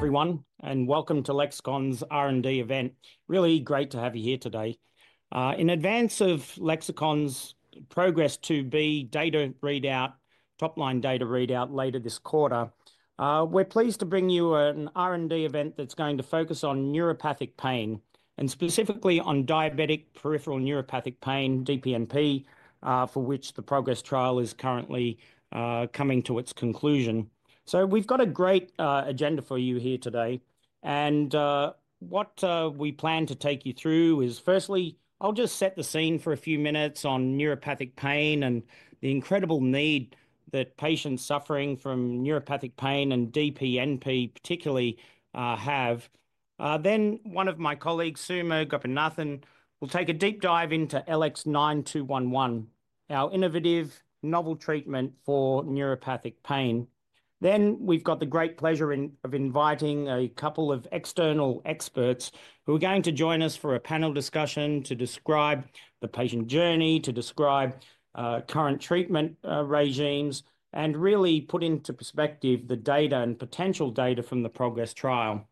Everyone, and welcome to Lexicon's R&D event. Really great to have you here today. In advance of Lexicon's PROGRESS IIb data readout, top-line data readout later this quarter, we're pleased to bring you an R&D event that's going to focus on neuropathic pain, and specifically on diabetic peripheral neuropathic pain, DPNP, for which the PROGRESS trial is currently coming to its conclusion so we've got a great agenda for you here today and what we plan to take you through is, firstly, I'll just set the scene for a few minutes on neuropathic pain and the incredible need that patients suffering from neuropathic pain and DPNP particularly have. Then one of my colleagues, Suma Gopinathan, will take a deep dive into LX9211, our innovative, novel treatment for neuropathic pain. Then we've got the great pleasure of inviting a couple of external experts who are going to join us for a panel discussion to describe the patient journey, to describe current treatment regimens, and really put into perspective the data and potential data from the PROGRESS trial.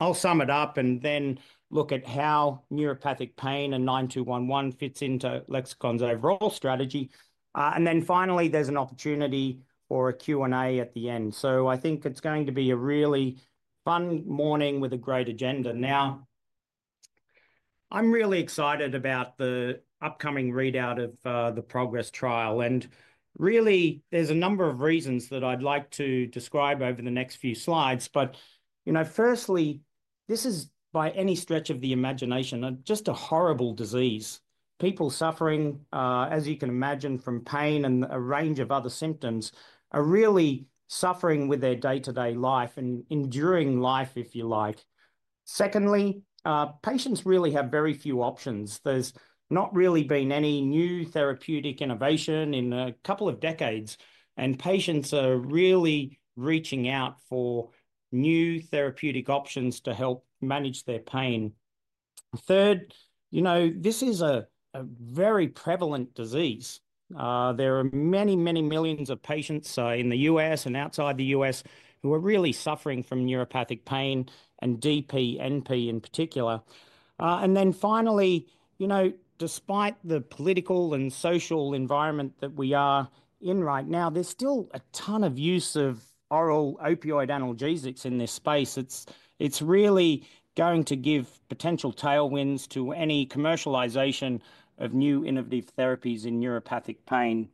I'll sum it up and then look at how neuropathic pain and 9211 fits into Lexicon's overall strategy. And then finally, there's an opportunity for a Q&A at the end. So I think it's going to be a really fun morning with a great agenda. Now, I'm really excited about the upcoming readout of the PROGRESS trial. And really, there's a number of reasons that I'd like to describe over the next few slides. But, you know, firstly, this is by any stretch of the imagination just a horrible disease. People suffering, as you can imagine, from pain and a range of other symptoms, are really suffering with their day-to-day life and enduring life, if you like. Secondly, patients really have very few options. There's not really been any new therapeutic innovation in a couple of decades, and patients are really reaching out for new therapeutic options to help manage their pain. Third, you know, this is a very prevalent disease. There are many, many millions of patients in the U.S. and outside the U.S. who are really suffering from neuropathic pain and DPNP in particular. And then finally, you know, despite the political and social environment that we are in right now, there's still a ton of use of oral opioid analgesics in this space. It's really going to give potential tailwinds to any commercialization of new innovative therapies in neuropathic pain.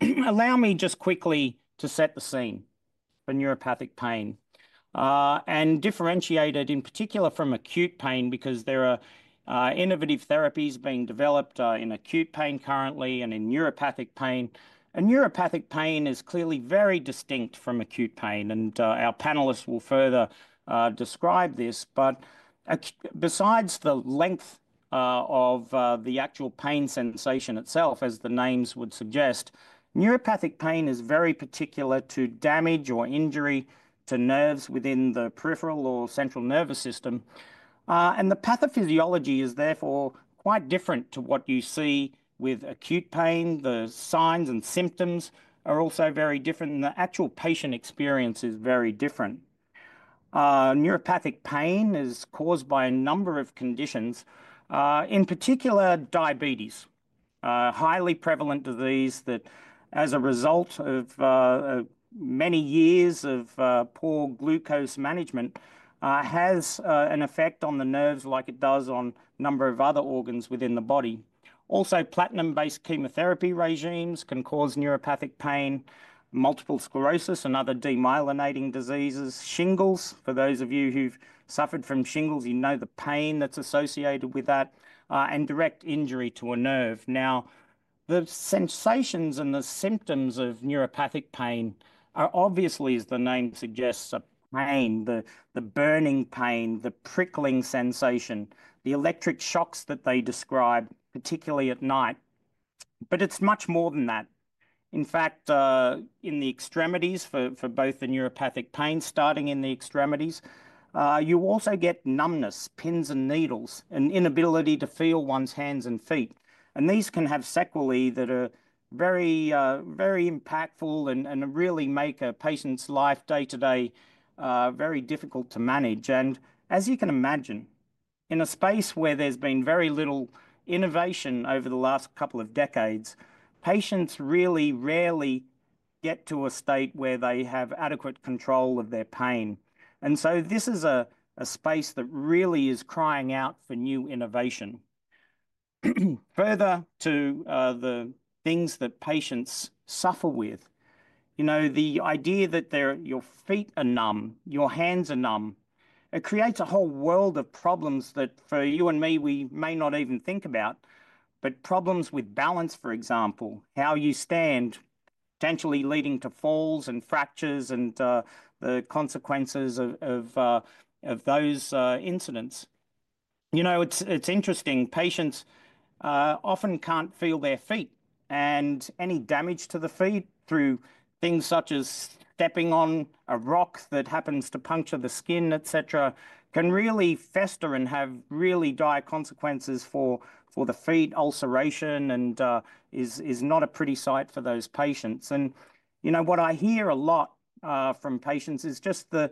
Allow me just quickly to set the scene for neuropathic pain and differentiate it in particular from acute pain, because there are innovative therapies being developed in acute pain currently and in neuropathic pain. Neuropathic pain is clearly very distinct from acute pain, and our panelists will further describe this. Besides the length of the actual pain sensation itself, as the names would suggest, neuropathic pain is very particular to damage or injury to nerves within the peripheral or central nervous system. The pathophysiology is therefore quite different to what you see with acute pain. The signs and symptoms are also very different, and the actual patient experience is very different. Neuropathic pain is caused by a number of conditions, in particular diabetes, a highly prevalent disease that, as a result of many years of poor glucose management, has an effect on the nerves like it does on a number of other organs within the body. Also, platinum-based chemotherapy regimens can cause neuropathic pain, multiple sclerosis, and other demyelinating diseases. Shingles, for those of you who've suffered from shingles, you know the pain that's associated with that and direct injury to a nerve. Now, the sensations and the symptoms of neuropathic pain are obviously, as the name suggests, a pain, the burning pain, the prickling sensation, the electric shocks that they describe, particularly at night. But it's much more than that. In fact, in the extremities for both the neuropathic pain, starting in the extremities, you also get numbness, pins and needles, and inability to feel one's hands and feet. And these can have sequelae that are very, very impactful and really make a patient's life day-to-day very difficult to manage. And as you can imagine, in a space where there's been very little innovation over the last couple of decades, patients really rarely get to a state where they have adequate control of their pain. And so this is a space that really is crying out for new innovation. Further to the things that patients suffer with, you know, the idea that your feet are numb, your hands are numb, it creates a whole world of problems that for you and me, we may not even think about. But problems with balance, for example, how you stand, potentially leading to falls and fractures and the consequences of those incidents. You know, it's interesting, patients often can't feel their feet. Any damage to the feet through things such as stepping on a rock that happens to puncture the skin, et cetera, can really fester and have really dire consequences for the feet, ulceration, and is not a pretty sight for those patients. You know, what I hear a lot from patients is just the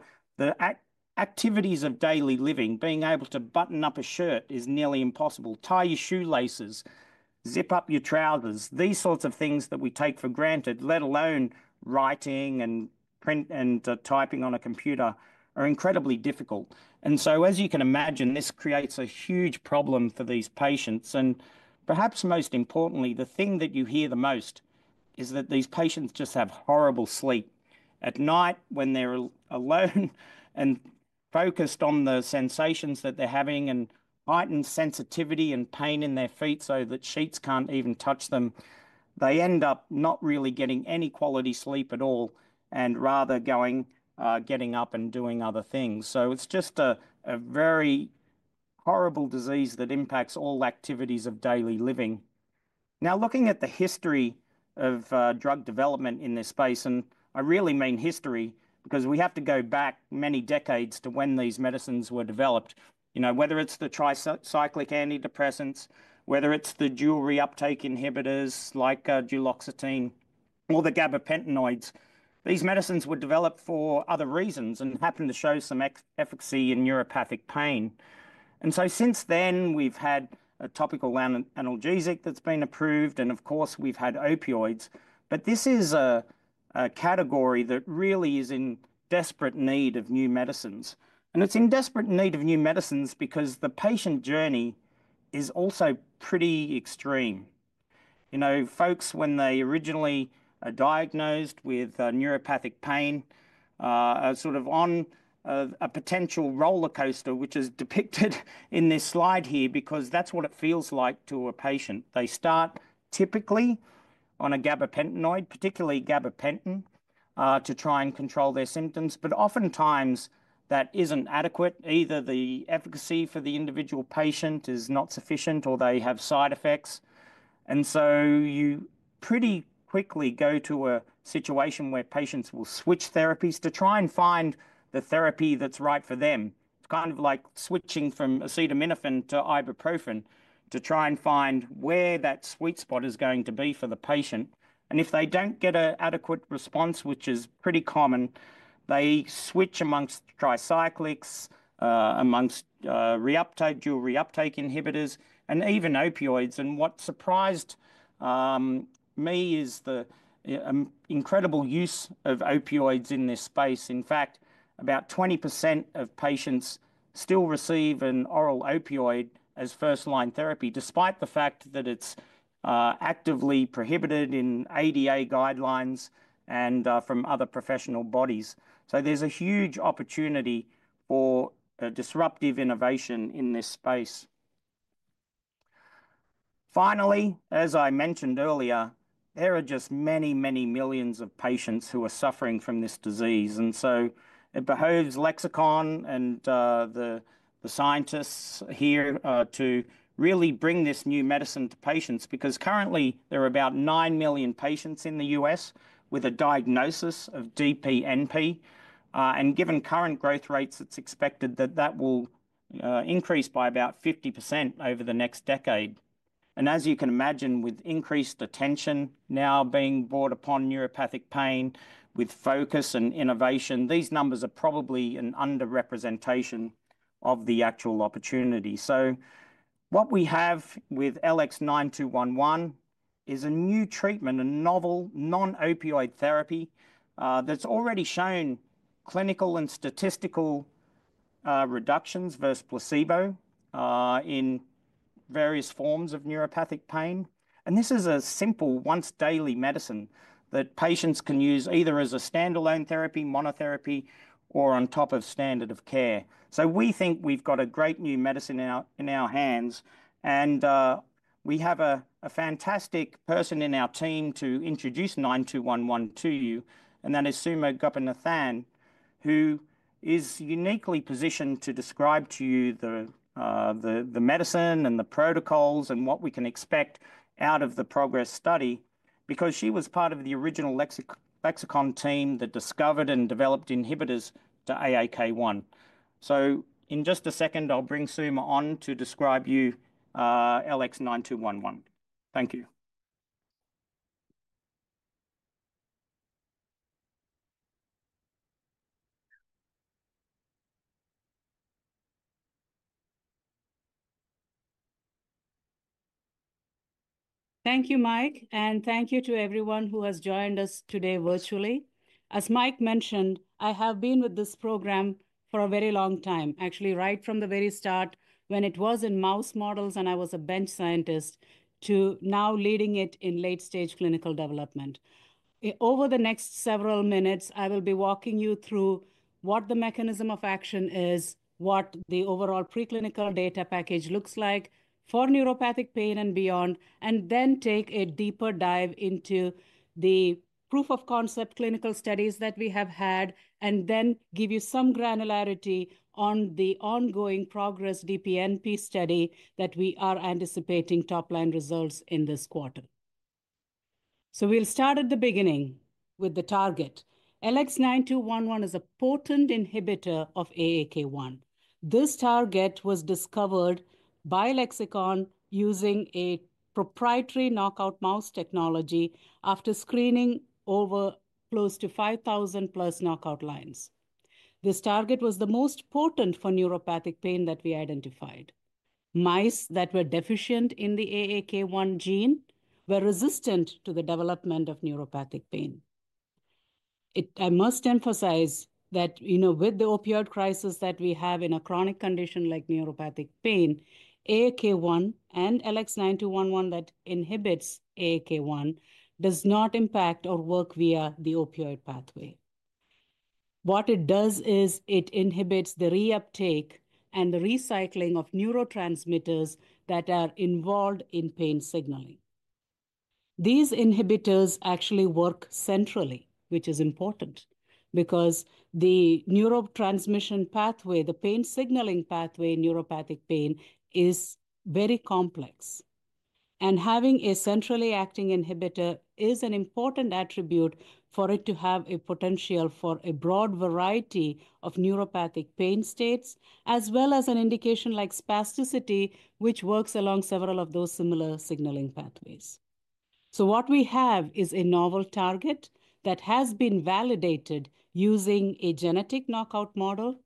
activities of daily living. Being able to button up a shirt is nearly impossible. Tie your shoelaces, zip up your trousers, these sorts of things that we take for granted, let alone writing and typing on a computer, are incredibly difficult. As you can imagine, this creates a huge problem for these patients. And perhaps most importantly, the thing that you hear the most is that these patients just have horrible sleep at night when they're alone and focused on the sensations that they're having and heightened sensitivity and pain in their feet so that sheets can't even touch them. They end up not really getting any quality sleep at all and rather getting up and doing other things. So it's just a very horrible disease that impacts all activities of daily living. Now, looking at the history of drug development in this space, and I really mean history, because we have to go back many decades to when these medicines were developed, you know, whether it's the tricyclic antidepressants, whether it's the serotonin-norepinephrine reuptake inhibitors like duloxetine or the gabapentinoids, these medicines were developed for other reasons and happened to show some efficacy in neuropathic pain. And so since then, we've had a topical analgesic that's been approved. And of course, we've had opioids. But this is a category that really is in desperate need of new medicines. And it's in desperate need of new medicines because the patient journey is also pretty extreme. You know, folks, when they originally are diagnosed with neuropathic pain, sort of on a potential roller coaster, which is depicted in this slide here, because that's what it feels like to a patient. They start typically on a gabapentinoid, particularly gabapentin, to try and control their symptoms. But oftentimes, that isn't adequate. Either the efficacy for the individual patient is not sufficient or they have side effects. And so you pretty quickly go to a situation where patients will switch therapies to try and find the therapy that's right for them. It's kind of like switching from acetaminophen to ibuprofen to try and find where that sweet spot is going to be for the patient. And if they don't get an adequate response, which is pretty common, they switch amongst tricyclics, amongst serotonin-norepinephrine reuptake inhibitors, and even opioids. And what surprised me is the incredible use of opioids in this space. In fact, about 20% of patients still receive an oral opioid as first-line therapy, despite the fact that it's actively prohibited in ADA guidelines and from other professional bodies. So there's a huge opportunity for disruptive innovation in this space. Finally, as I mentioned earlier, there are just many, many millions of patients who are suffering from this disease. And so it behooves Lexicon and the scientists here to really bring this new medicine to patients, because currently, there are about 9 million patients in the U.S. with a diagnosis of DPNP. And given current growth rates, it's expected that that will increase by about 50% over the next decade. And as you can imagine, with increased attention now being brought upon neuropathic pain with focus and innovation, these numbers are probably an underrepresentation of the actual opportunity. So what we have with LX9211 is a new treatment, a novel non-opioid therapy that's already shown clinical and statistical reductions versus placebo in various forms of neuropathic pain. And this is a simple once-daily medicine that patients can use either as a standalone therapy, monotherapy, or on top of standard of care. So we think we've got a great new medicine in our hands. We have a fantastic person in our team to introduce LX9211 to you, and that is Suma Gopinathan, who is uniquely positioned to describe to you the medicine and the protocols and what we can expect out of the PROGRESS study, because she was part of the original Lexicon team that discovered and developed inhibitors to AAK1. So in just a second, I'll bring Suma on to describe to you LX9211. Thank you. Thank you, Mike, and thank you to everyone who has joined us today virtually. As Mike mentioned, I have been with this program for a very long time, actually, right from the very start when it was in mouse models and I was a bench scientist to now leading it in late-stage clinical development. Over the next several minutes, I will be walking you through what the mechanism of action is, what the overall preclinical data package looks like for neuropathic pain and beyond, and then take a deeper dive into the proof of concept clinical studies that we have had, and then give you some granularity on the ongoing PROGRESS DPNP study that we are anticipating top-line results in this quarter, so we'll start at the beginning with the target. LX9211 is a potent inhibitor of AAK1. This target was discovered by Lexicon using a proprietary knockout mouse technology after screening over close to 5,000 plus knockout lines. This target was the most potent for neuropathic pain that we identified. Mice that were deficient in the AAK1 gene were resistant to the development of neuropathic pain. I must emphasize that, you know, with the opioid crisis that we have in a chronic condition like neuropathic pain, AAK1 and LX9211 that inhibits AAK1 does not impact or work via the opioid pathway. What it does is it inhibits the reuptake and the recycling of neurotransmitters that are involved in pain signaling. These inhibitors actually work centrally, which is important because the neurotransmission pathway, the pain signaling pathway in neuropathic pain, is very complex. Having a centrally acting inhibitor is an important attribute for it to have a potential for a broad variety of neuropathic pain states, as well as an indication like spasticity, which works along several of those similar signaling pathways. So what we have is a novel target that has been validated using a genetic knockout model.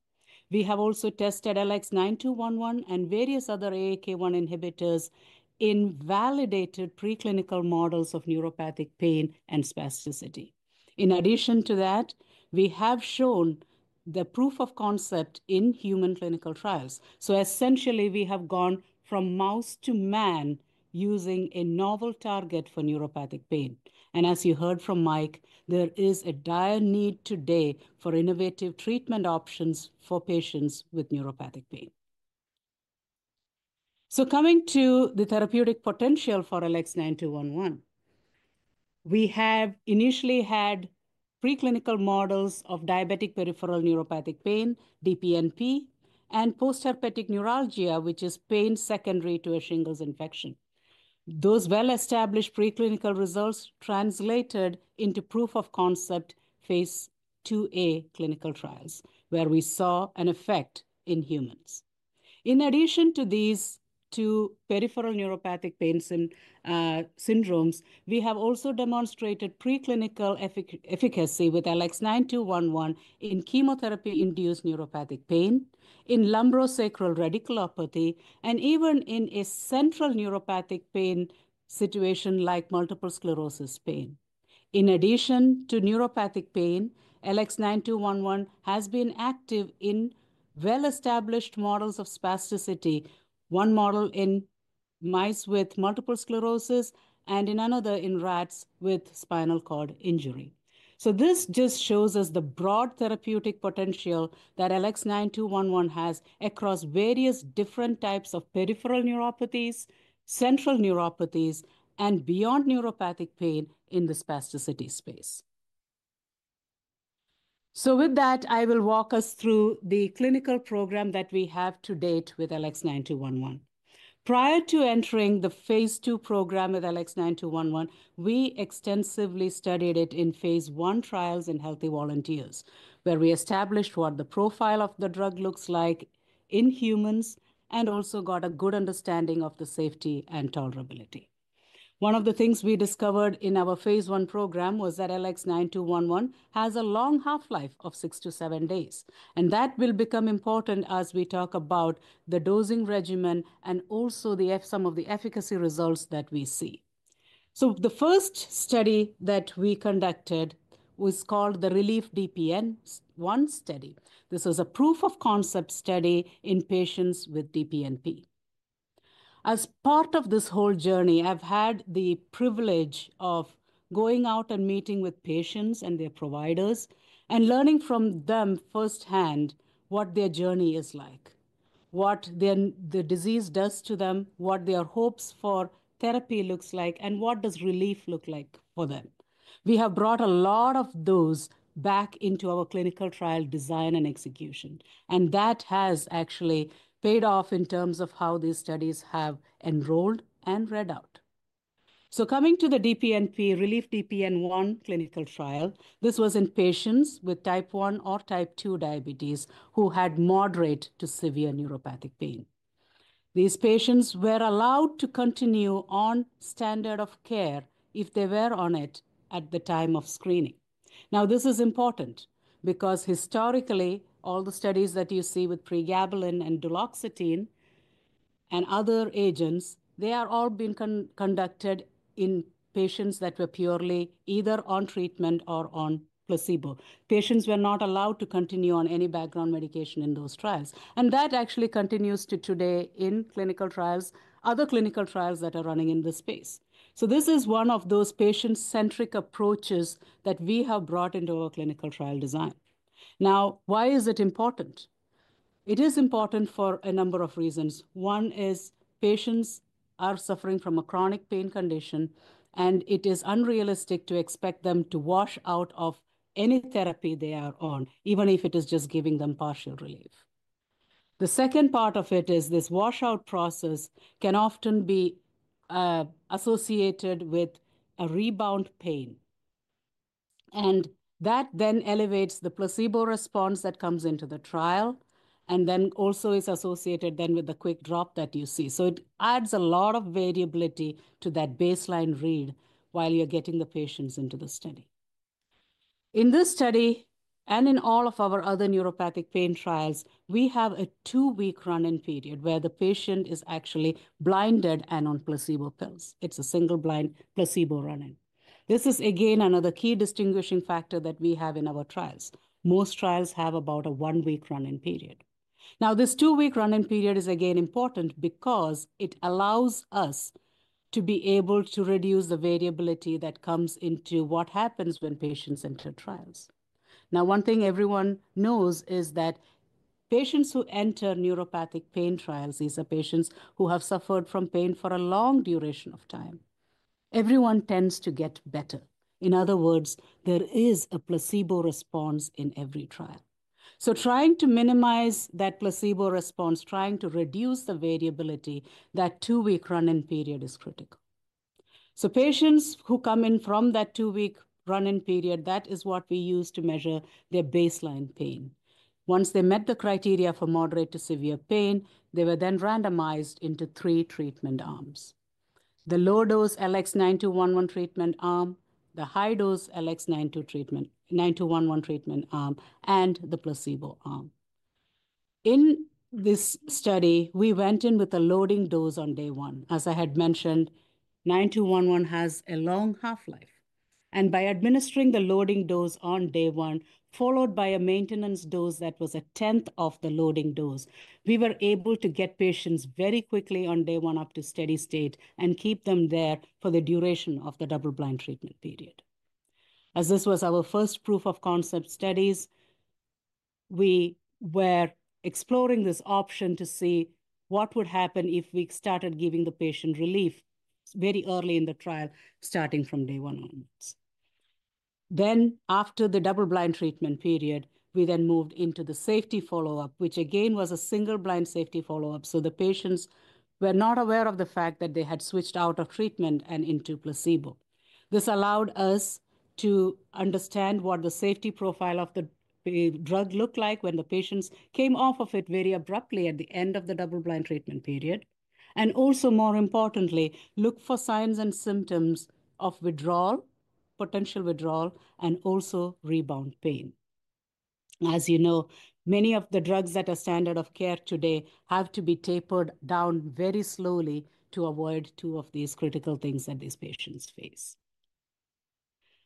We have also tested LX9211 and various other AAK1 inhibitors in validated preclinical models of neuropathic pain and spasticity. In addition to that, we have shown the proof of concept in human clinical trials. So essentially, we have gone from mouse to man using a novel target for neuropathic pain. As you heard from Mike, there is a dire need today for innovative treatment options for patients with neuropathic pain. So coming to the therapeutic potential for LX9211, we have initially had preclinical models of diabetic peripheral neuropathic pain, DPNP, and postherpetic neuralgia, which is pain secondary to a shingles infection. Those well-established preclinical results translated into proof of concept phase IIa clinical trials, where we saw an effect in humans. In addition to these two peripheral neuropathic pain syndromes, we have also demonstrated preclinical efficacy with LX9211 in chemotherapy-induced neuropathic pain, in lumbosacral radiculopathy, and even in a central neuropathic pain situation like multiple sclerosis pain. In addition to neuropathic pain, LX9211 has been active in well-established models of spasticity, one model in mice with multiple sclerosis and in another in rats with spinal cord injury. So this just shows us the broad therapeutic potential that LX9211 has across various different types of peripheral neuropathies, central neuropathies, and beyond neuropathic pain in the spasticity space. So with that, I will walk us through the clinical program that we have to date with LX9211. Prior to entering the phase II program with LX9211, we extensively studied it in phase I trials in healthy volunteers, where we established what the profile of the drug looks like in humans and also got a good understanding of the safety and tolerability. One of the things we discovered in our phase I program was that LX9211 has a long half-life of six to seven days. And that will become important as we talk about the dosing regimen and also some of the efficacy results that we see. So the first study that we conducted was called the RELIEF-DPN-1 study. This was a proof of concept study in patients with DPNP. As part of this whole journey, I've had the privilege of going out and meeting with patients and their providers and learning from them firsthand what their journey is like, what the disease does to them, what their hopes for therapy looks like, and what does RELIEF look like for them. We have brought a lot of those back into our clinical trial design and execution. And that has actually paid off in terms of how these studies have enrolled and read out. So coming to the DPNP, RELIEF-DPN-1 clinical trial, this was in patients with type 1 or type 2 diabetes who had moderate to severe neuropathic pain. These patients were allowed to continue on standard of care if they were on it at the time of screening. Now, this is important because historically, all the studies that you see with pregabalin and duloxetine and other agents, they have all been conducted in patients that were purely either on treatment or on placebo. Patients were not allowed to continue on any background medication in those trials. And that actually continues to today in clinical trials, other clinical trials that are running in this space. So this is one of those patient-centric approaches that we have brought into our clinical trial design. Now, why is it important? It is important for a number of reasons. One is patients are suffering from a chronic pain condition, and it is unrealistic to expect them to wash out of any therapy they are on, even if it is just giving them partial relief. The second part of it is this washout process can often be associated with a rebound pain. That then elevates the placebo response that comes into the trial and then also is associated then with the quick drop that you see. It adds a lot of variability to that baseline read while you're getting the patients into the study. In this study and in all of our other neuropathic pain trials, we have a two-week run-in period where the patient is actually blinded and on placebo pills. It's a single-blind placebo run-in. This is, again, another key distinguishing factor that we have in our trials. Most trials have about a one-week run-in period. Now, this two-week run-in period is, again, important because it allows us to be able to reduce the variability that comes into what happens when patients enter trials. Now, one thing everyone knows is that patients who enter neuropathic pain trials, these are patients who have suffered from pain for a long duration of time. Everyone tends to get better. In other words, there is a placebo response in every trial. So trying to minimize that placebo response, trying to reduce the variability, that two-week run-in period is critical. So patients who come in from that two-week run-in period, that is what we use to measure their baseline pain. Once they met the criteria for moderate to severe pain, they were then randomized into three treatment arms: the low-dose LX9211 treatment arm, the high-dose LX9211 treatment arm, and the placebo arm. In this study, we went in with a loading dose on day one. As I had mentioned, LX9211 has a long half-life. By administering the loading dose on day one, followed by a maintenance dose that was a tenth of the loading dose, we were able to get patients very quickly on day one up to steady state and keep them there for the duration of the double-blind treatment period. As this was our first proof of concept studies, we were exploring this option to see what would happen if we started giving the patient relief very early in the trial, starting from day one onwards. After the double-blind treatment period, we then moved into the safety follow-up, which again was a single-blind safety follow-up. The patients were not aware of the fact that they had switched out of treatment and into placebo. This allowed us to understand what the safety profile of the drug looked like when the patients came off of it very abruptly at the end of the double-blind treatment period, and also, more importantly, look for signs and symptoms of withdrawal, potential withdrawal, and also rebound pain. As you know, many of the drugs that are standard of care today have to be tapered down very slowly to avoid two of these critical things that these patients face,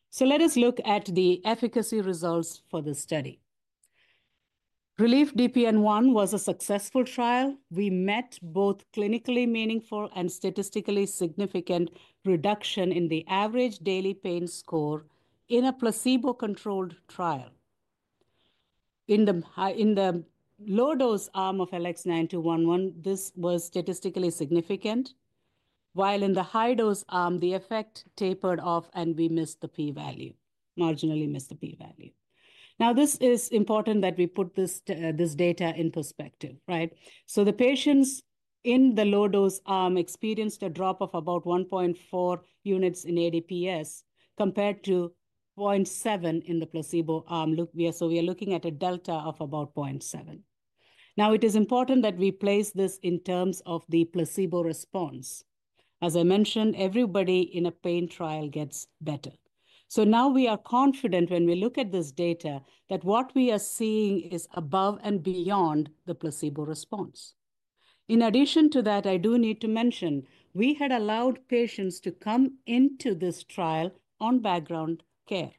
so let us look at the efficacy results for the study. RELIEF-DPN-1 was a successful trial. We met both clinically meaningful and statistically significant reduction in the average daily pain score in a placebo-controlled trial. In the low-dose arm of LX9211, this was statistically significant, while in the high-dose arm, the effect tapered off and we missed the p-value, marginally missed the p-value. Now, this is important that we put this data in perspective, right? So the patients in the low-dose arm experienced a drop of about 1.4 units in ADPS compared to 0.7 in the placebo arm. So we are looking at a delta of about 0.7. Now, it is important that we place this in terms of the placebo response. As I mentioned, everybody in a pain trial gets better. So now we are confident when we look at this data that what we are seeing is above and beyond the placebo response. In addition to that, I do need to mention we had allowed patients to come into this trial on background care.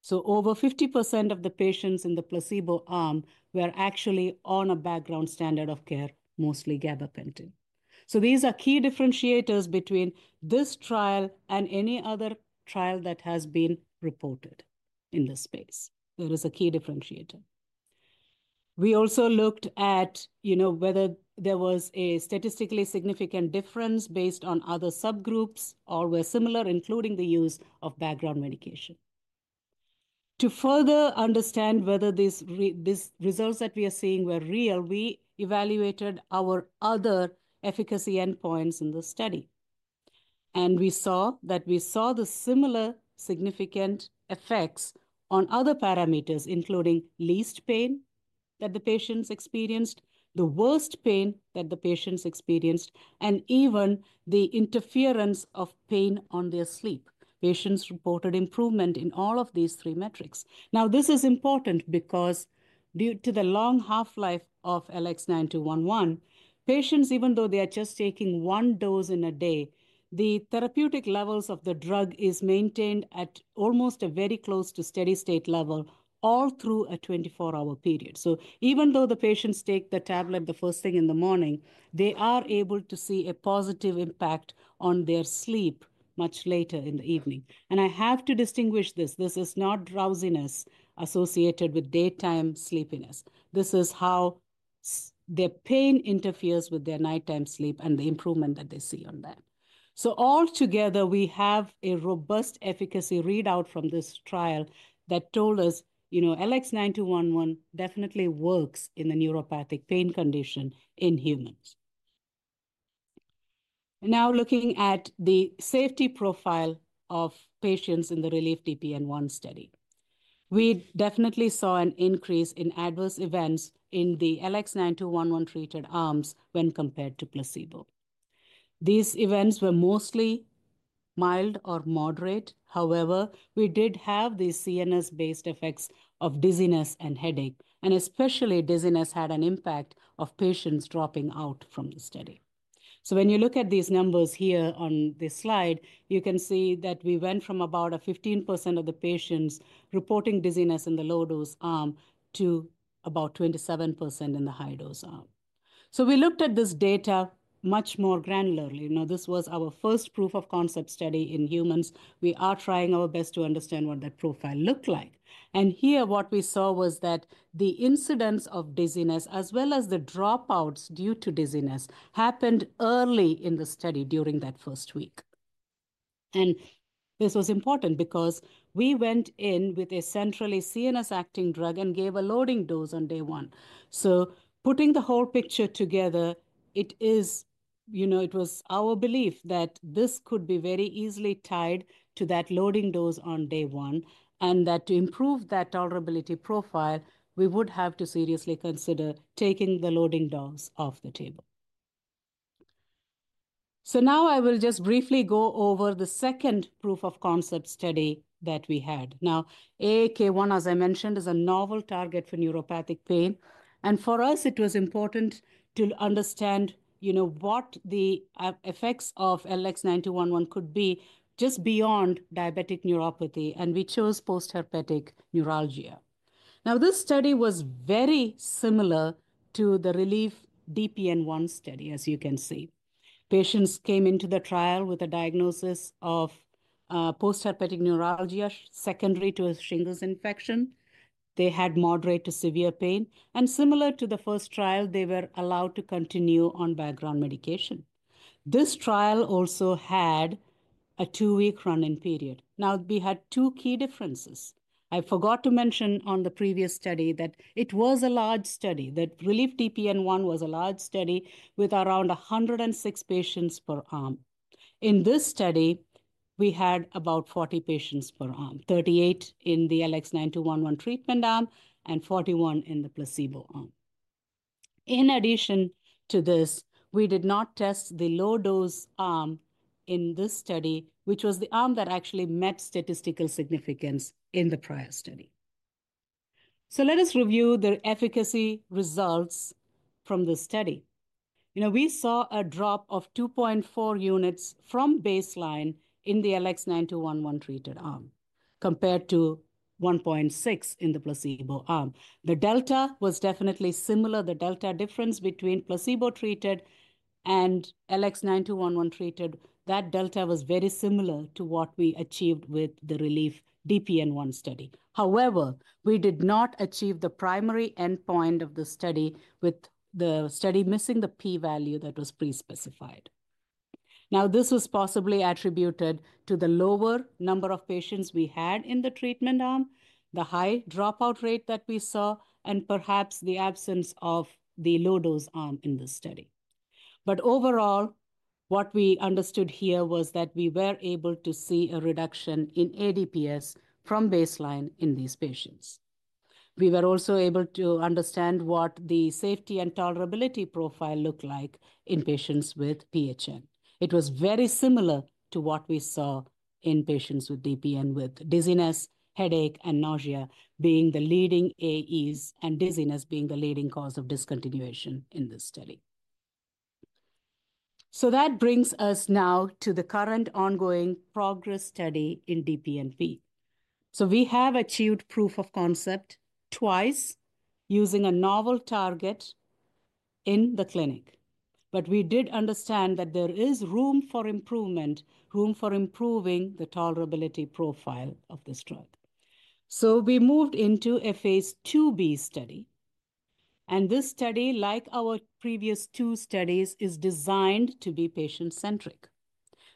So over 50% of the patients in the placebo arm were actually on a background standard of care, mostly gabapentin. So these are key differentiators between this trial and any other trial that has been reported in this space. There is a key differentiator. We also looked at, you know, whether there was a statistically significant difference based on other subgroups or were similar, including the use of background medication. To further understand whether these results that we are seeing were real, we evaluated our other efficacy endpoints in the study, and we saw the similar significant effects on other parameters, including least pain that the patients experienced, the worst pain that the patients experienced, and even the interference of pain on their sleep. Patients reported improvement in all of these three metrics. Now, this is important because due to the long half-life of LX9211, patients, even though they are just taking one dose in a day, the therapeutic levels of the drug are maintained at almost a very close to steady state level all through a 24-hour period. So even though the patients take the tablet the first thing in the morning, they are able to see a positive impact on their sleep much later in the evening, and I have to distinguish this. This is not drowsiness associated with daytime sleepiness. This is how their pain interferes with their nighttime sleep and the improvement that they see on that, so altogether, we have a robust efficacy readout from this trial that told us, you know, LX9211 definitely works in the neuropathic pain condition in humans. Now, looking at the safety profile of patients in the RELIEF-DPN-1 study, we definitely saw an increase in adverse events in the LX9211 treated arms when compared to placebo. These events were mostly mild or moderate. However, we did have these CNS-based effects of dizziness and headache, and especially dizziness had an impact on patients dropping out from the study. So when you look at these numbers here on this slide, you can see that we went from about 15% of the patients reporting dizziness in the low-dose arm to about 27% in the high-dose arm. So we looked at this data much more granularly. You know, this was our first proof of concept study in humans. We are trying our best to understand what that profile looked like. Here, what we saw was that the incidence of dizziness, as well as the dropouts due to dizziness, happened early in the study during that first week. This was important because we went in with a centrally CNS-acting drug and gave a loading dose on day one. Putting the whole picture together, it is, you know, it was our belief that this could be very easily tied to that loading dose on day one and that to improve that tolerability profile, we would have to seriously consider taking the loading dose off the table. Now I will just briefly go over the second proof of concept study that we had. Now, AAK1, as I mentioned, is a novel target for neuropathic pain. For us, it was important to understand, you know, what the effects of LX9211 could be just beyond diabetic neuropathy. And we chose postherpetic neuralgia. Now, this study was very similar to the RELIEF-DPN-1 study, as you can see. Patients came into the trial with a diagnosis of postherpetic neuralgia secondary to a shingles infection. They had moderate to severe pain. And similar to the first trial, they were allowed to continue on background medication. This trial also had a two-week run-in period. Now, we had two key differences. I forgot to mention on the previous study that it was a large study, that RELIEF-DPN-1 was a large study with around 106 patients per arm. In this study, we had about 40 patients per arm, 38 in the LX9211 treatment arm and 41 in the placebo arm. In addition to this, we did not test the low-dose arm in this study, which was the arm that actually met statistical significance in the prior study. So let us review the efficacy results from the study. You know, we saw a drop of 2.4 units from baseline in the LX9211 treated arm compared to 1.6 in the placebo arm. The delta was definitely similar. The delta difference between placebo-treated and LX9211 treated, that delta was very similar to what we achieved with the RELIEF-DPN-1 study. However, we did not achieve the primary endpoint of the study with the study missing the p-value that was pre-specified. Now, this was possibly attributed to the lower number of patients we had in the treatment arm, the high dropout rate that we saw, and perhaps the absence of the low-dose arm in this study. But overall, what we understood here was that we were able to see a reduction in ADPS from baseline in these patients. We were also able to understand what the safety and tolerability profile looked like in patients with PHN. It was very similar to what we saw in patients with DPNP, with dizziness, headache, and nausea being the leading AEs and dizziness being the leading cause of discontinuation in this study. So that brings us now to the current ongoing PROGRESS study in DPNP. So we have achieved proof of concept twice using a novel target in the clinic. But we did understand that there is room for improvement, room for improving the tolerability profile of this drug. So we moved into a phase IIb study. And this study, like our previous two studies, is designed to be patient-centric.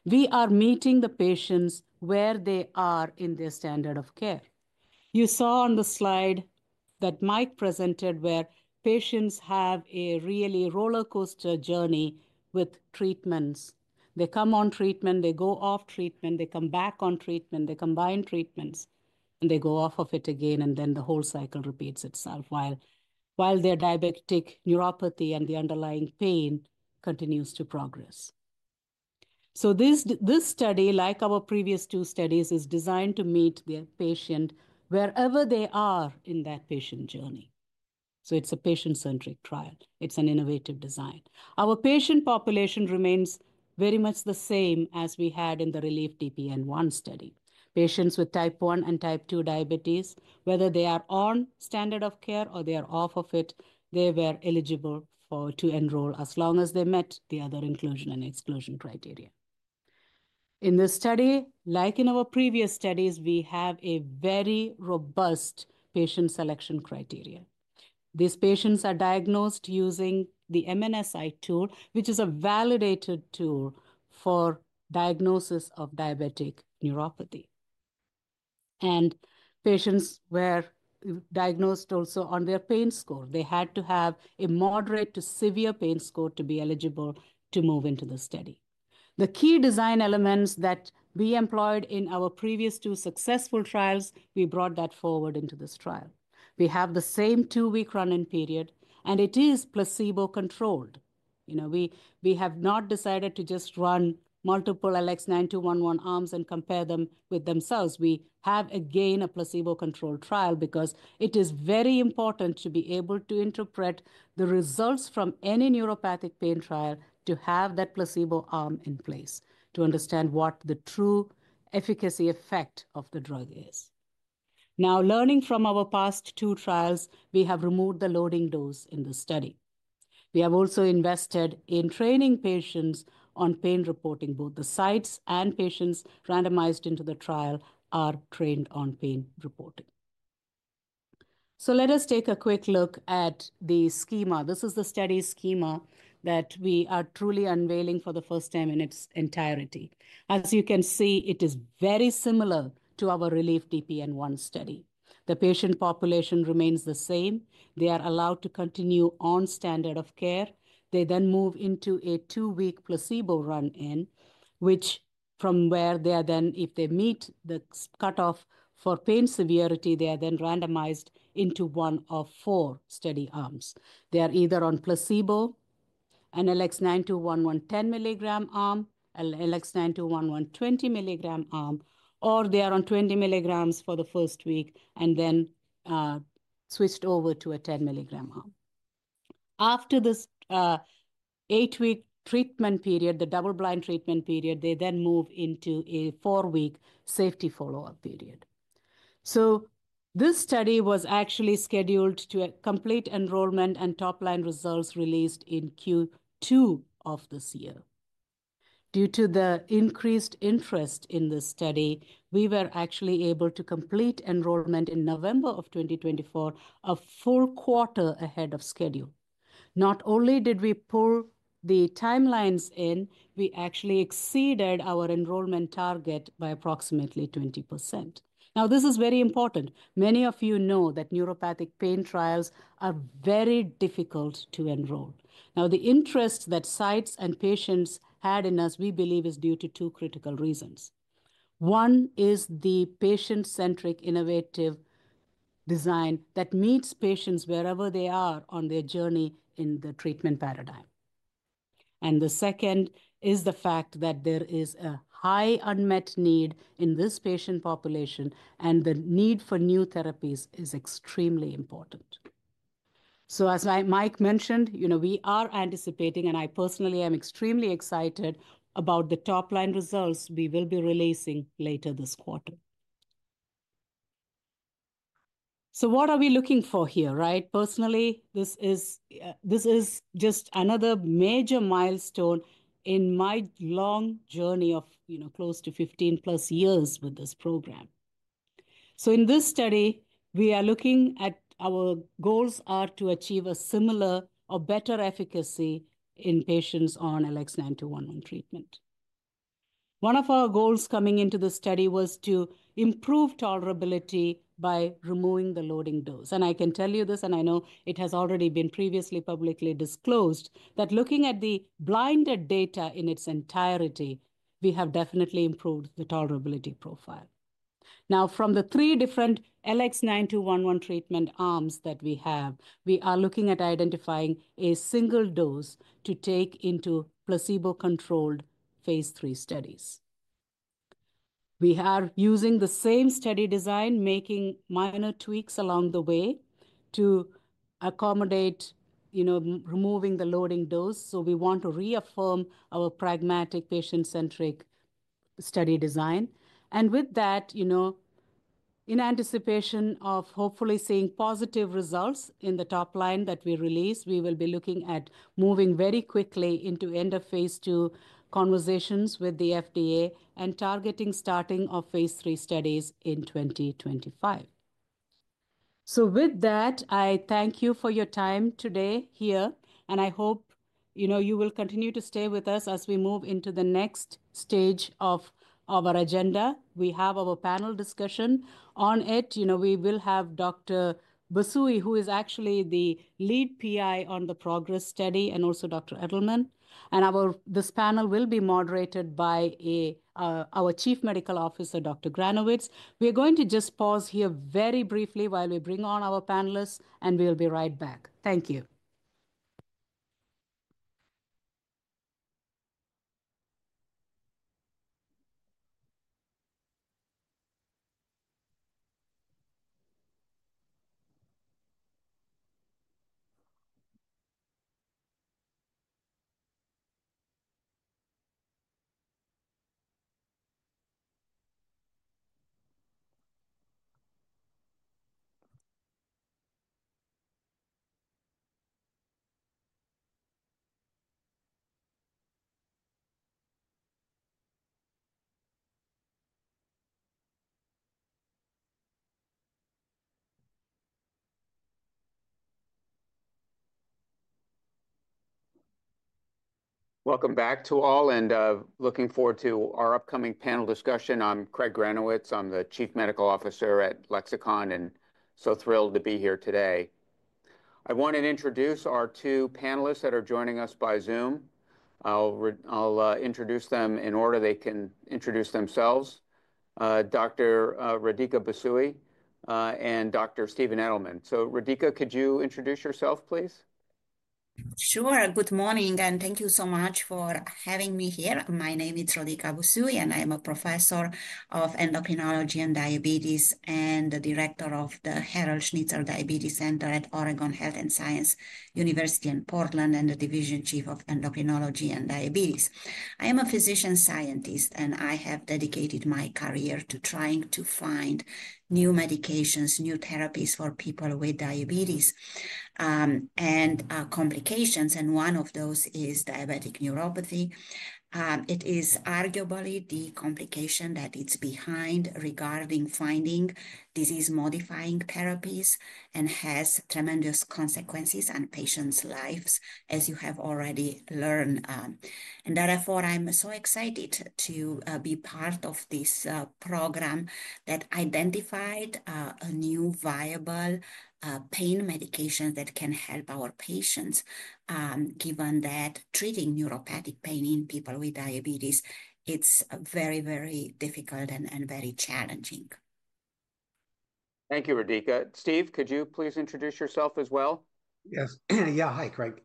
We are meeting the patients where they are in their standard of care. You saw on the slide that Mike presented where patients have a really roller coaster journey with treatments. They come on treatment, they go off treatment, they come back on treatment, they combine treatments, and they go off of it again, and then the whole cycle repeats itself while their diabetic neuropathy and the underlying pain continues to progress. So this study, like our previous two studies, is designed to meet the patient wherever they are in that patient journey. So it's a patient-centric trial. It's an innovative design. Our patient population remains very much the same as we had in the RELIEF-DPN-1 study. Patients with type one and type two diabetes, whether they are on standard of care or they are off of it, they were eligible to enroll as long as they met the other inclusion and exclusion criteria. In this study, like in our previous studies, we have a very robust patient selection criteria. These patients are diagnosed using the MNSI tool, which is a validated tool for diagnosis of diabetic neuropathy, and patients were diagnosed also on their pain score. They had to have a moderate to severe pain score to be eligible to move into the study. The key design elements that we employed in our previous two successful trials, we brought that forward into this trial. We have the same two-week run-in period, and it is placebo-controlled. You know, we have not decided to just run multiple LX9211 arms and compare them with themselves. We have again a placebo-controlled trial because it is very important to be able to interpret the results from any neuropathic pain trial to have that placebo arm in place to understand what the true efficacy effect of the drug is. Now, learning from our past two trials, we have removed the loading dose in the study. We have also invested in training patients on pain reporting. Both the sites and patients randomized into the trial are trained on pain reporting. Let us take a quick look at the schema. This is the study schema that we are truly unveiling for the first time in its entirety. As you can see, it is very similar to our RELIEF-DPN-1 study. The patient population remains the same. They are allowed to continue on standard of care. They then move into a two-week placebo run-in, which from where they are then, if they meet the cutoff for pain severity, they are then randomized into one of four study arms. They are either on placebo, an LX9211 10 milligram arm, an LX9211 20 milligram arm, or they are on 20 milligrams for the first week and then switched over to a 10 milligram arm. After this eight-week treatment period, the double-blind treatment period, they then move into a four-week safety follow-up period. So this study was actually scheduled to complete enrollment and top-line results released in Q2 of this year. Due to the increased interest in this study, we were actually able to complete enrollment in November of 2024, a full quarter ahead of schedule. Not only did we pull the timelines in, we actually exceeded our enrollment target by approximately 20%. Now, this is very important. Many of you know that neuropathic pain trials are very difficult to enroll. Now, the interest that sites and patients had in us, we believe, is due to two critical reasons. One is the patient-centric innovative design that meets patients wherever they are on their journey in the treatment paradigm. And the second is the fact that there is a high unmet need in this patient population, and the need for new therapies is extremely important. So, as Mike mentioned, you know, we are anticipating, and I personally am extremely excited about the top-line results we will be releasing later this quarter. So, what are we looking for here, right? Personally, this is just another major milestone in my long journey of, you know, close to 15 plus years with this program. So, in this study, we are looking at our goals are to achieve a similar or better efficacy in patients on LX9211 treatment. One of our goals coming into the study was to improve tolerability by removing the loading dose. I can tell you this, and I know it has already been previously publicly disclosed, that looking at the blinded data in its entirety, we have definitely improved the tolerability profile. Now, from the three different LX9211 treatment arms that we have, we are looking at identifying a single dose to take into placebo-controlled phase III studies. We are using the same study design, making minor tweaks along the way to accommodate, you know, removing the loading dose. We want to reaffirm our pragmatic patient-centric study design. With that, you know, in anticipation of hopefully seeing positive results in the top line that we release, we will be looking at moving very quickly into end of phase II conversations with the FDA and targeting starting of phase III studies in 2025. So, with that, I thank you for your time today here, and I hope, you know, you will continue to stay with us as we move into the next stage of our agenda. We have our panel discussion on it. You know, we will have Dr. Busui, who is actually the lead PI on the PROGRESS study, and also Dr. Edelman. And our this panel will be moderated by our Chief Medical Officer, Dr. Granowitz. We are going to just pause here very briefly while we bring on our panelists, and we'll be right back. Thank you. Welcome back to all, and looking forward to our upcoming panel discussion. I'm Craig Granowitz. I'm the Chief Medical Officer at Lexicon, and so thrilled to be here today. I want to introduce our two panelists that are joining us by Zoom. I'll introduce them in order they can introduce themselves, Dr. Rodica Busui and Dr. Steven Edelman. So, Rodica, could you introduce yourself, please? Sure. Good morning, and thank you so much for having me here. My name is Rodica Busui, and I'm a professor of endocrinology and diabetes and the director of the Harold Schnitzer Diabetes Center at Oregon Health & Science University in Portland and the division chief of endocrinology and diabetes. I am a physician scientist, and I have dedicated my career to trying to find new medications, new therapies for people with diabetes and complications. One of those is diabetic neuropathy. It is arguably the complication that it's behind regarding finding disease-modifying therapies and has tremendous consequences on patients' lives, as you have already learned. Therefore, I'm so excited to be part of this program that identified a new viable pain medication that can help our patients, given that treating neuropathic pain in people with diabetes, it's very, very difficult and very challenging. Thank you, Rodica. Steve, could you please introduce yourself as well? Yes. Yeah. Hi, Craig.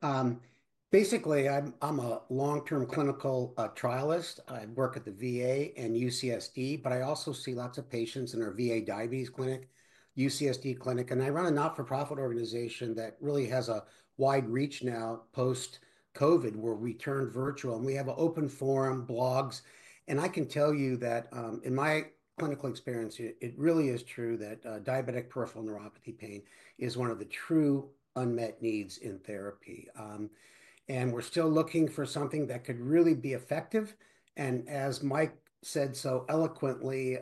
Basically, I'm a long-term clinical trialist. I work at the VA and UCSD, but I also see lots of patients in our VA Diabetes Clinic, UCSD Clinic, and I run a not-for-profit organization that really has a wide reach now post-COVID, where we turned virtual, and we have an open forum, blogs, and I can tell you that in my clinical experience, it really is true that diabetic peripheral neuropathy pain is one of the true unmet needs in therapy, and we're still looking for something that could really be effective. As Mike said so eloquently,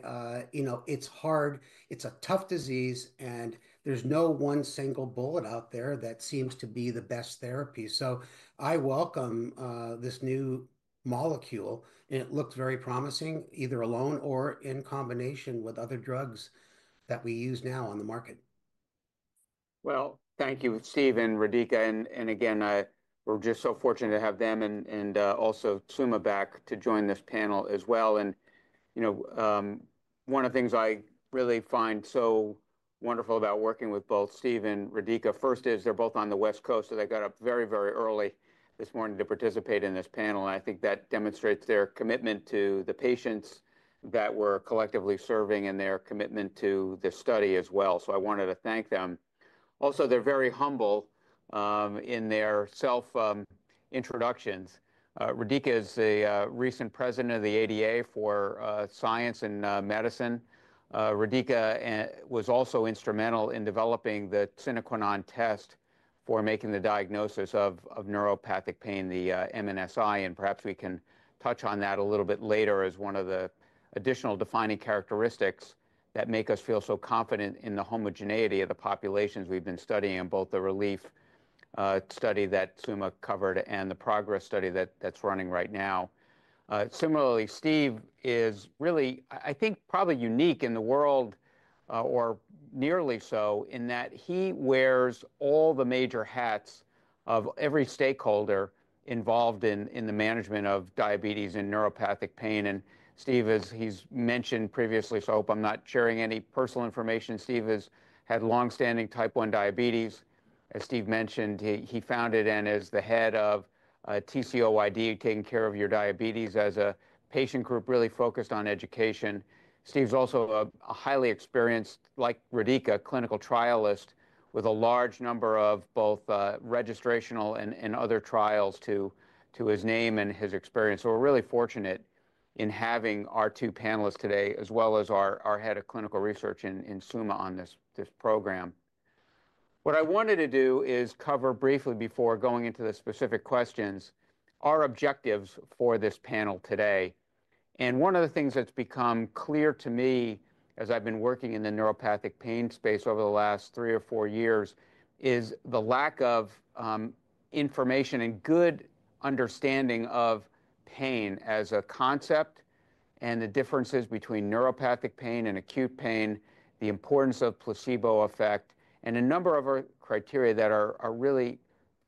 you know, it's hard. It's a tough disease, and there's no one single bullet out there that seems to be the best therapy. So I welcome this new molecule, and it looked very promising either alone or in combination with other drugs that we use now on the market. Thank you, Steve and Rodica. Again, we're just so fortunate to have them and also Suma back to join this panel as well. You know, one of the things I really find so wonderful about working with both Steve and Rodica first is they're both on the West Coast, so they got up very, very early this morning to participate in this panel. I think that demonstrates their commitment to the patients that we're collectively serving and their commitment to this study as well. So I wanted to thank them. Also, they're very humble in their self-introductions. Rodica is a recent president of the ADA for science and medicine. Rodica was also instrumental in developing the Michigan test for making the diagnosis of neuropathic pain, the MNSI, and perhaps we can touch on that a little bit later as one of the additional defining characteristics that make us feel so confident in the homogeneity of the populations we've been studying, both the RELIEF study that Suma covered and the PROGRESS study that's running right now. Similarly, Steve is really, I think, probably unique in the world or nearly so in that he wears all the major hats of every stakeholder involved in the management of diabetes and neuropathic pain. Steve, as he's mentioned previously, so I hope I'm not sharing any personal information. Steve has had long-standing type 1 diabetes. As Steve mentioned, he founded and is the head of TCOYD, taking care of your diabetes as a patient group really focused on education. Steve's also a highly experienced, like Rodica, clinical trialist with a large number of both registrational and other trials to his name and his experience. So we're really fortunate in having our two panelists today, as well as our head of clinical research in Suma on this program. What I wanted to do is cover briefly before going into the specific questions our objectives for this panel today. And one of the things that's become clear to me as I've been working in the neuropathic pain space over the last three or four years is the lack of information and good understanding of pain as a concept and the differences between neuropathic pain and acute pain, the importance of placebo effect, and a number of criteria that are really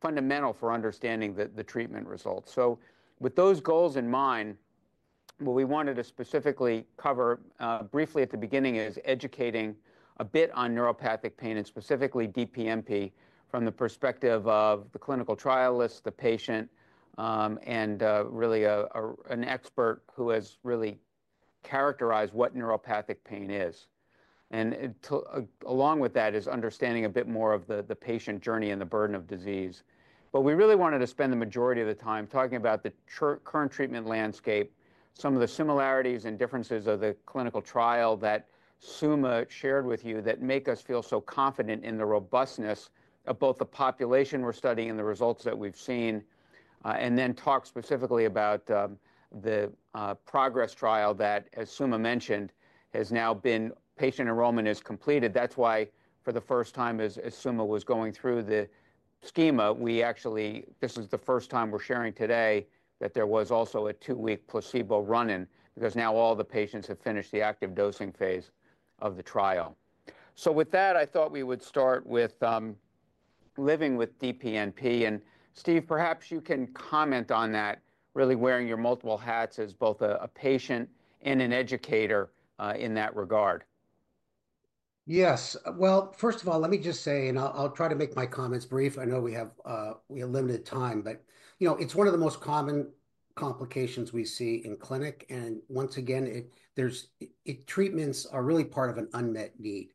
fundamental for understanding the treatment results. So with those goals in mind, what we wanted to specifically cover briefly at the beginning is educating a bit on neuropathic pain and specifically DPNP from the perspective of the clinical trialist, the patient, and really an expert who has really characterized what neuropathic pain is. And along with that is understanding a bit more of the patient journey and the burden of disease. But we really wanted to spend the majority of the time talking about the current treatment landscape, some of the similarities and differences of the clinical trial that Suma shared with you that make us feel so confident in the robustness of both the population we're studying and the results that we've seen, and then talk specifically about the PROGRESS trial that, as Suma mentioned, has now been patient enrollment is completed. That's why for the first time, as Suma was going through the schema, we actually this is the first time we're sharing today that there was also a two-week placebo run-in because now all the patients have finished the active dosing phase of the trial. So with that, I thought we would start with living with DPNP. And Steve, perhaps you can comment on that, really wearing your multiple hats as both a patient and an educator in that regard. Yes. Well, first of all, let me just say, and I'll try to make my comments brief. I know we have limited time, but, you know, it's one of the most common complications we see in clinic. And once again, there's treatments are really part of an unmet need.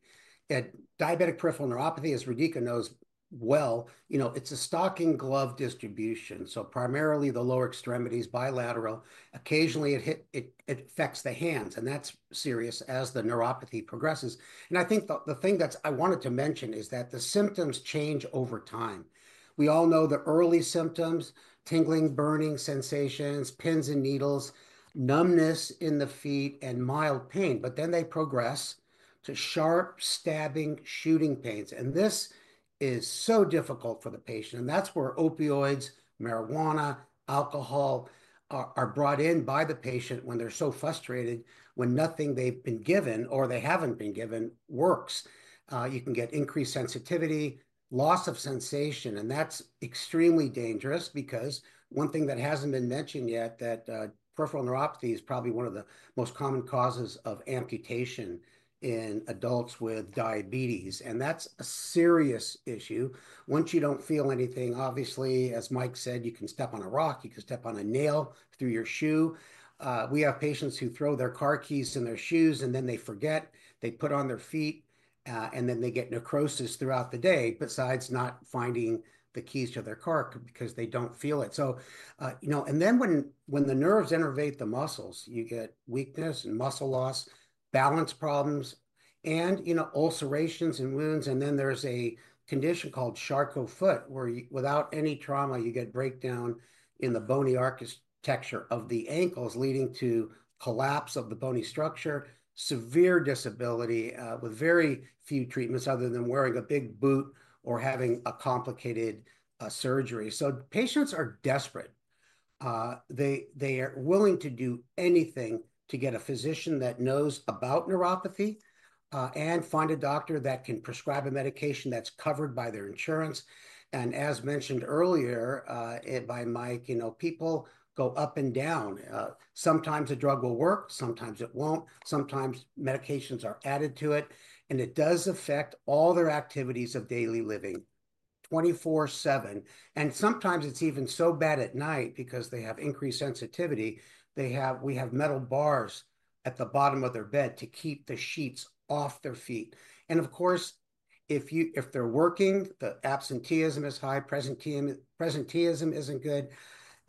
Diabetic peripheral neuropathy, as Rodica knows well, you know, it's a stocking-glove distribution. So primarily the lower extremities, bilateral. Occasionally, it affects the hands, and that's serious as the neuropathy progresses. And I think the thing that I wanted to mention is that the symptoms change over time. We all know the early symptoms: tingling, burning sensations, pins and needles, numbness in the feet, and mild pain. But then they progress to sharp, stabbing, shooting pains. This is so difficult for the patient. That's where opioids, marijuana, alcohol are brought in by the patient when they're so frustrated when nothing they've been given or they haven't been given works. You can get increased sensitivity, loss of sensation, and that's extremely dangerous because one thing that hasn't been mentioned yet that peripheral neuropathy is probably one of the most common causes of amputation in adults with diabetes. That's a serious issue. Once you don't feel anything, obviously, as Mike said, you can step on a rock, you can step on a nail through your shoe. We have patients who throw their car keys in their shoes, and then they forget, they put on their feet, and then they get necrosis throughout the day besides not finding the keys to their car because they don't feel it. So, you know, and then when the nerves innervate the muscles, you get weakness and muscle loss, balance problems, and, you know, ulcerations and wounds. And then there's a condition called Charcot foot where, without any trauma, you get breakdown in the bony architecture of the ankles, leading to collapse of the bony structure, severe disability with very few treatments other than wearing a big boot or having a complicated surgery. So patients are desperate. They are willing to do anything to get a physician that knows about neuropathy and find a doctor that can prescribe a medication that's covered by their insurance. And as mentioned earlier by Mike, you know, people go up and down. Sometimes a drug will work, sometimes it won't. Sometimes medications are added to it, and it does affect all their activities of daily living 24/7. And sometimes it's even so bad at night because they have increased sensitivity. They have metal bars at the bottom of their bed to keep the sheets off their feet. And of course, if they're working, the absenteeism is high, presenteeism isn't good.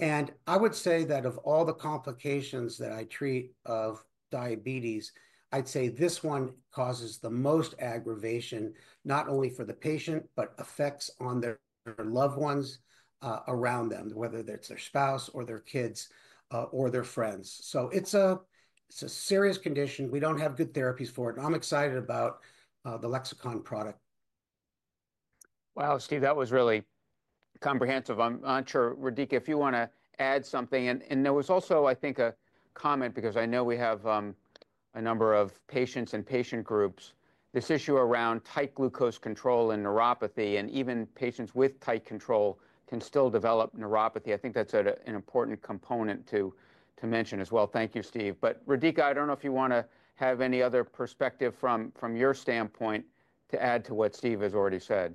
And I would say that of all the complications that I treat of diabetes, I'd say this one causes the most aggravation not only for the patient, but effects on their loved ones around them, whether that's their spouse or their kids or their friends. So it's a serious condition. We don't have good therapies for it. And I'm excited about the Lexicon product. Wow, Steve, that was really comprehensive. I'm sure, Rodica, if you want to add something. And there was also, I think, a comment because I know we have a number of patients and patient groups. This issue around tight glucose control in neuropathy and even patients with tight control can still develop neuropathy. I think that's an important component to mention as well. Thank you, Steve. But Rodica, I don't know if you want to have any other perspective from your standpoint to add to what Steve has already said.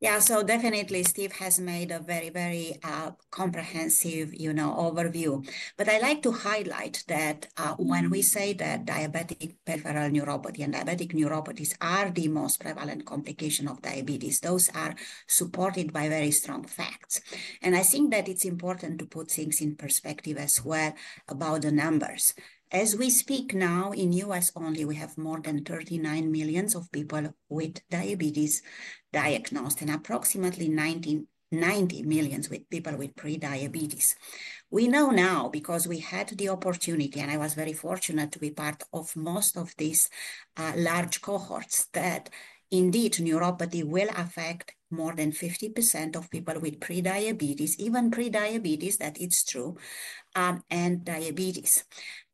Yeah. So definitely, Steve has made a very, very comprehensive, you know, overview. But I like to highlight that when we say that diabetic peripheral neuropathy and diabetic neuropathies are the most prevalent complication of diabetes, those are supported by very strong facts. And I think that it's important to put things in perspective as well about the numbers. As we speak now, in the U.S. only, we have more than 39 million people with diabetes diagnosed and approximately 90 million people with prediabetes. We know now because we had the opportunity, and I was very fortunate to be part of most of these large cohorts, that indeed neuropathy will affect more than 50% of people with prediabetes, even prediabetes, that it's true, and diabetes,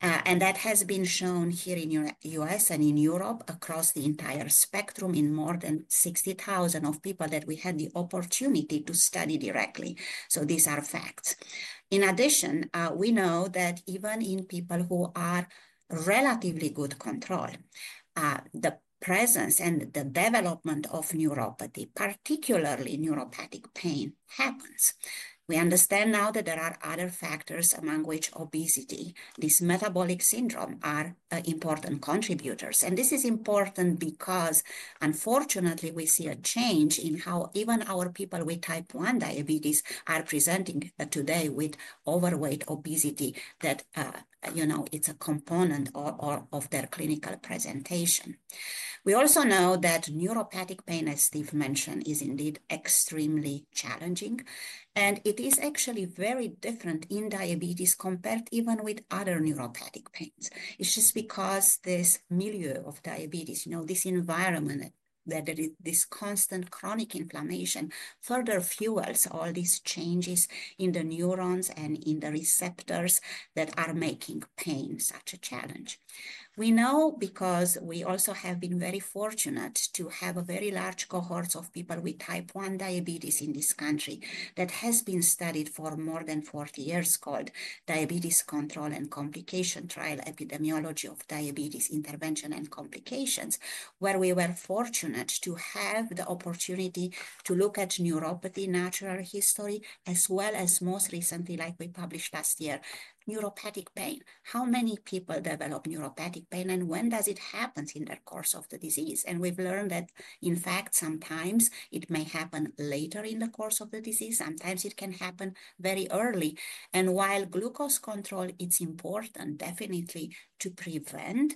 and that has been shown here in the U.S. and in Europe across the entire spectrum in more than 60,000 of people that we had the opportunity to study directly, so these are facts. In addition, we know that even in people who are relatively good control, the presence and the development of neuropathy, particularly neuropathic pain, happens. We understand now that there are other factors among which obesity, this metabolic syndrome, are important contributors. This is important because, unfortunately, we see a change in how even our people with type 1 diabetes are presenting today with overweight, obesity, that, you know, it's a component of their clinical presentation. We also know that neuropathic pain, as Steve mentioned, is indeed extremely challenging. And it is actually very different in diabetes compared even with other neuropathic pains. It's just because this milieu of diabetes, you know, this environment that there is this constant chronic inflammation further fuels all these changes in the neurons and in the receptors that are making pain such a challenge. We know because we also have been very fortunate to have a very large cohort of people with type 1 diabetes in this country that has been studied for more than 40 years called Diabetes Control and Complications Trial, Epidemiology of Diabetes Interventions and Complications, where we were fortunate to have the opportunity to look at neuropathy natural history as well as most recently, like we published last year, neuropathic pain. How many people develop neuropathic pain and when does it happen in the course of the disease? And we've learned that, in fact, sometimes it may happen later in the course of the disease. Sometimes it can happen very early. And while glucose control is important definitely to prevent,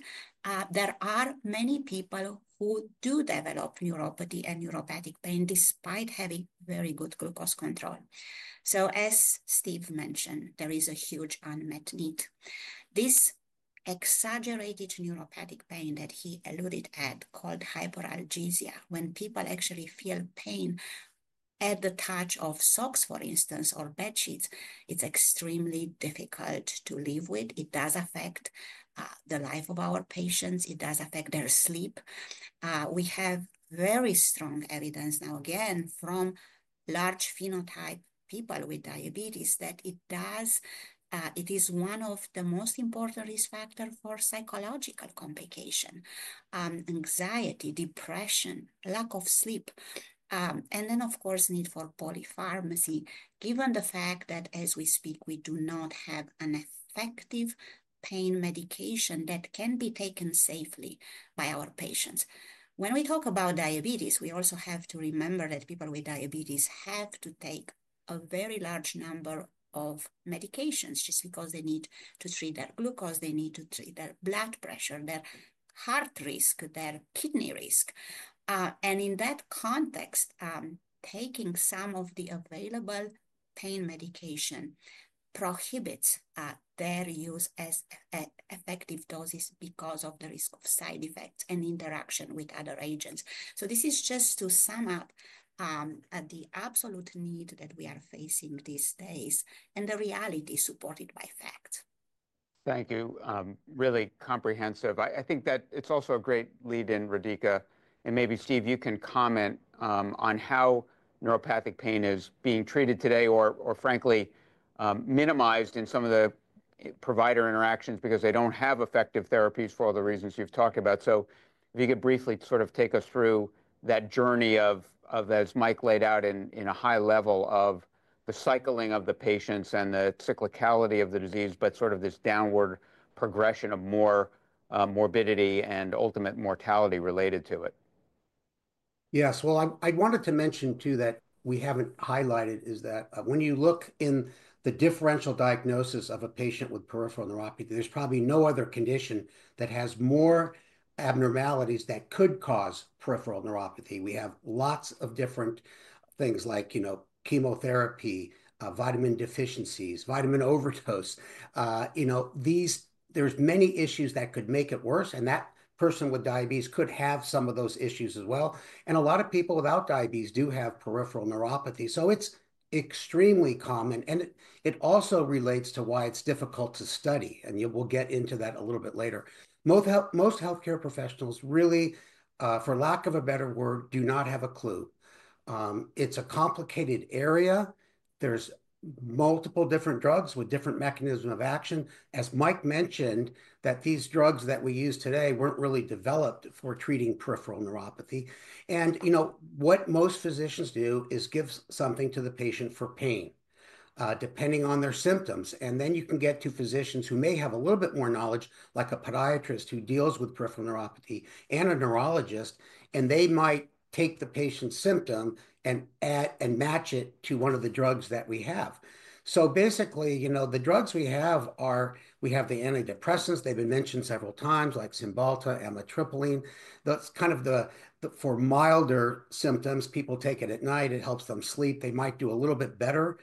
there are many people who do develop neuropathy and neuropathic pain despite having very good glucose control. So, as Steve mentioned, there is a huge unmet need. This exaggerated neuropathic pain that he alluded to called hyperalgesia, when people actually feel pain at the touch of socks, for instance, or bedsheets, it's extremely difficult to live with. It does affect the life of our patients. It does affect their sleep. We have very strong evidence now, again, from large phenotype people with diabetes that it is one of the most important risk factors for psychological complication, anxiety, depression, lack of sleep, and then, of course, need for polypharmacy, given the fact that as we speak, we do not have an effective pain medication that can be taken safely by our patients. When we talk about diabetes, we also have to remember that people with diabetes have to take a very large number of medications just because they need to treat their glucose, they need to treat their blood pressure, their heart risk, their kidney risk. In that context, taking some of the available pain medication prohibits their use as effective doses because of the risk of side effects and interaction with other agents. This is just to sum up the absolute need that we are facing these days and the reality supported by facts. Thank you. Really comprehensive. I think that it's also a great lead-in, Rodica. Maybe, Steve, you can comment on how neuropathic pain is being treated today or, frankly, minimized in some of the provider interactions because they don't have effective therapies for all the reasons you've talked about. If you could briefly sort of take us through that journey of, as Mike laid out in a high level, of the cycling of the patients and the cyclicality of the disease, but sort of this downward progression of more morbidity and ultimate mortality related to it. Yes. I wanted to mention, too, that we haven't highlighted is that when you look in the differential diagnosis of a patient with peripheral neuropathy, there's probably no other condition that has more abnormalities that could cause peripheral neuropathy. We have lots of different things like, you know, chemotherapy, vitamin deficiencies, vitamin overdose. You know, there's many issues that could make it worse. And that person with diabetes could have some of those issues as well. And a lot of people without diabetes do have peripheral neuropathy. So it's extremely common. And it also relates to why it's difficult to study. And we'll get into that a little bit later. Most healthcare professionals, really, for lack of a better word, do not have a clue. It's a complicated area. There's multiple different drugs with different mechanisms of action. As Mike mentioned, these drugs that we use today weren't really developed for treating peripheral neuropathy, and you know, what most physicians do is give something to the patient for pain, depending on their symptoms, and then you can get to physicians who may have a little bit more knowledge, like a podiatrist who deals with peripheral neuropathy and a neurologist, and they might take the patient's symptom and match it to one of the drugs that we have. So basically, you know, the drugs we have are we have the antidepressants. They've been mentioned several times, like Cymbalta, amitriptyline. That's kind of the for milder symptoms. People take it at night. It helps them sleep. They might do a little bit better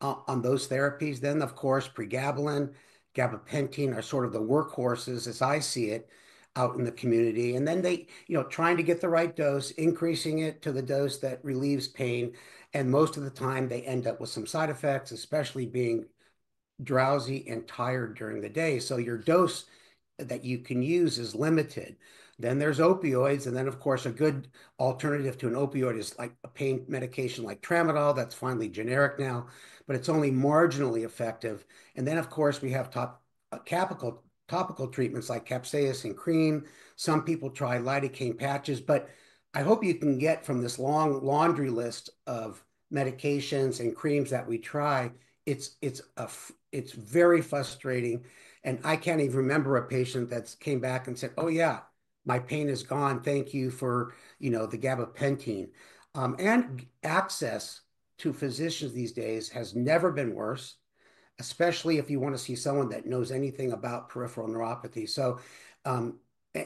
on those therapies. Then, of course, pregabalin, gabapentin are sort of the workhorses, as I see it, out in the community. And then they, you know, trying to get the right dose, increasing it to the dose that relieves pain. And most of the time, they end up with some side effects, especially being drowsy and tired during the day. So your dose that you can use is limited. Then there's opioids. And then, of course, a good alternative to an opioid is like a pain medication like tramadol that's finally generic now, but it's only marginally effective. And then, of course, we have topical treatments like capsaicin cream. Some people try lidocaine patches. But I hope you can get from this long laundry list of medications and creams that we try; it's very frustrating. And I can't even remember a patient that came back and said, "Oh, yeah, my pain is gone. Thank you for, you know, the gabapentin." And access to physicians these days has never been worse, especially if you want to see someone that knows anything about peripheral neuropathy.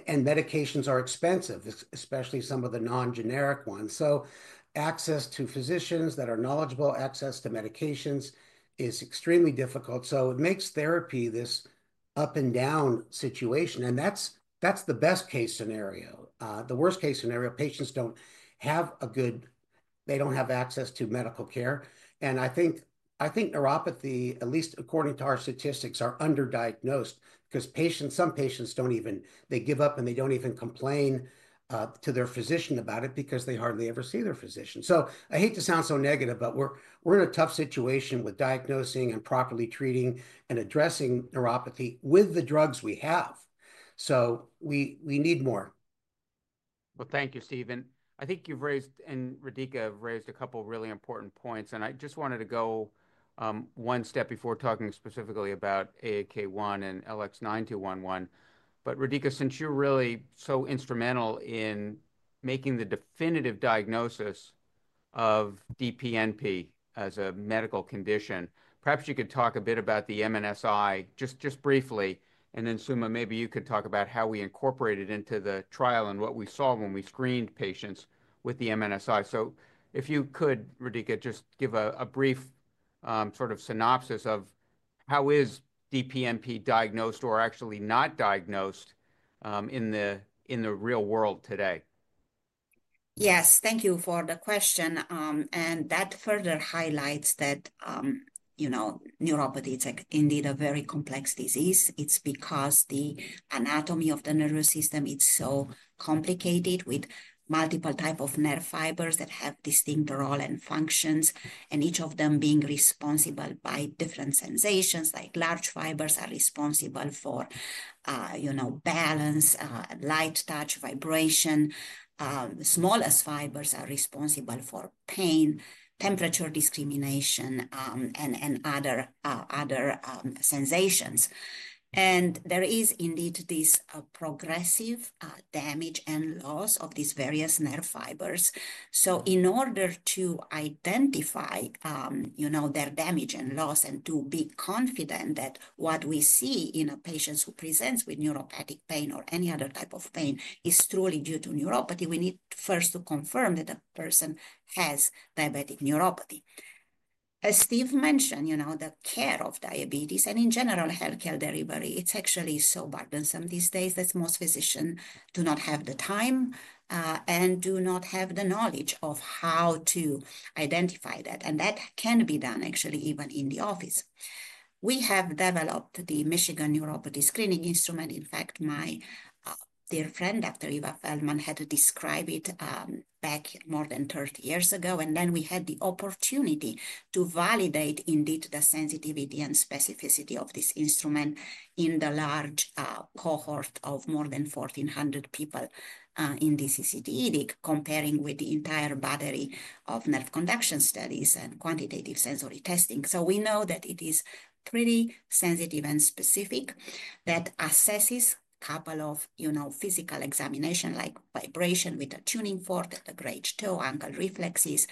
And medications are expensive, especially some of the non-generic ones. So access to physicians that are knowledgeable, access to medications is extremely difficult. So it makes therapy this up and down situation. And that's the best-case scenario. The worst-case scenario, patients don't have access to medical care. And I think neuropathy, at least according to our statistics, is underdiagnosed because patients, some patients give up and they don't even complain to their physician about it because they hardly ever see their physician. So I hate to sound so negative, but we're in a tough situation with diagnosing and properly treating and addressing neuropathy with the drugs we have. So we need more. Thank you, Steve. And I think you've raised and Rodica have raised a couple of really important points. And I just wanted to go one step before talking specifically about AAK1 and LX9211. But Rodica, since you're really so instrumental in making the definitive diagnosis of DPNP as a medical condition, perhaps you could talk a bit about the MNSI just briefly. And then, Suma, maybe you could talk about how we incorporate it into the trial and what we saw when we screened patients with the MNSI. If you could, Rodica, just give a brief sort of synopsis of how is DPNP diagnosed or actually not diagnosed in the real world today. Yes. Thank you for the question. That further highlights that, you know, neuropathy is indeed a very complex disease. It's because the anatomy of the nervous system is so complicated with multiple types of nerve fibers that have distinct role and functions, and each of them being responsible by different sensations. Like large fibers are responsible for, you know, balance, light touch, vibration. Smallest fibers are responsible for pain, temperature discrimination, and other sensations, and there is indeed this progressive damage and loss of these various nerve fibers, so in order to identify, you know, their damage and loss and to be confident that what we see in a patient who presents with neuropathic pain or any other type of pain is truly due to neuropathy, we need first to confirm that the person has diabetic neuropathy. As Steve mentioned, you know, the care of diabetes and, in general, healthcare delivery, it's actually so burdensome these days that most physicians do not have the time and do not have the knowledge of how to identify that, and that can be done actually even in the office. We have developed the Michigan Neuropathy Screening Instrument. In fact, my dear friend, Dr. Eva Feldman, had described it back more than 30 years ago, and then we had the opportunity to validate indeed the sensitivity and specificity of this instrument in the large cohort of more than 1,400 people in DCCT, comparing with the entire battery of nerve conduction studies and quantitative sensory testing. We know that it is pretty sensitive and specific, that assesses a couple of, you know, physical examinations like vibration with a tuning fork at the grade two, ankle reflexes,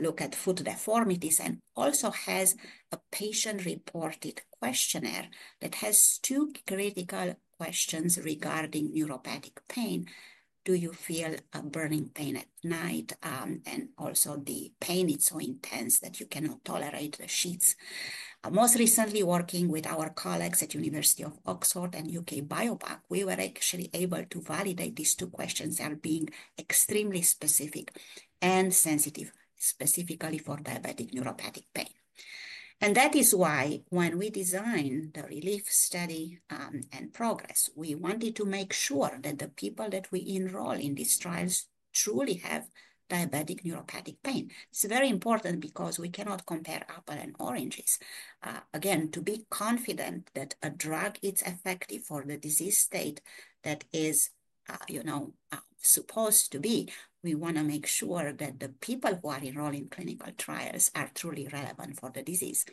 look at foot deformities, and also has a patient-reported questionnaire that has two critical questions regarding neuropathic pain. Do you feel a burning pain at night? And also, the pain, it's so intense that you cannot tolerate the sheets. Most recently, working with our colleagues at the University of Oxford and UK Biobank, we were actually able to validate these two questions that are being extremely specific and sensitive, specifically for diabetic neuropathic pain. That is why when we designed the RELIEF study and PROGRESS, we wanted to make sure that the people that we enroll in these trials truly have diabetic neuropathic pain. It's very important because we cannot compare apples and oranges. Again, to be confident that a drug is effective for the disease state that is, you know, supposed to be, we want to make sure that the people who are enrolled in clinical trials are truly relevant for the disease,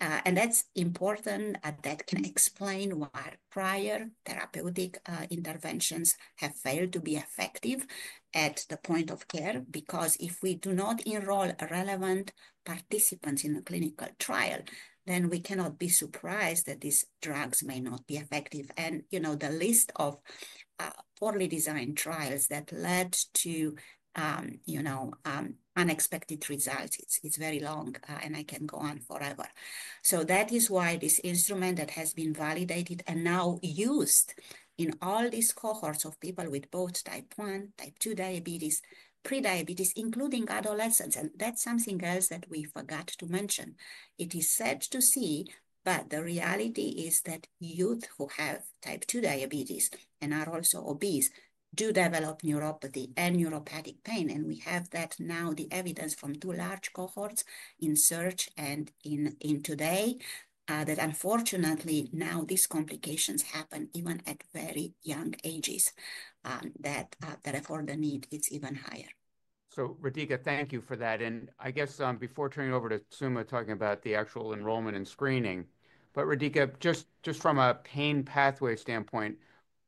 and that's important that can explain why prior therapeutic interventions have failed to be effective at the point of care. Because if we do not enroll relevant participants in a clinical trial, then we cannot be surprised that these drugs may not be effective, and, you know, the list of poorly designed trials that led to, you know, unexpected results, it's very long, and I can go on forever, so that is why this instrument that has been validated and now used in all these cohorts of people with both type one, type two diabetes, prediabetes, including adolescents, and that's something else that we forgot to mention. It is sad to see, but the reality is that youth who have type 2 diabetes and are also obese do develop neuropathy and neuropathic pain. And we have that now, the evidence from two large cohorts in SEARCH and in TODAY, that unfortunately, now these complications happen even at very young ages, that therefore, the need is even higher. So, Rodica, thank you for that. And I guess before turning over to Suma talking about the actual enrollment and screening, but Rodica, just from a pain pathway standpoint,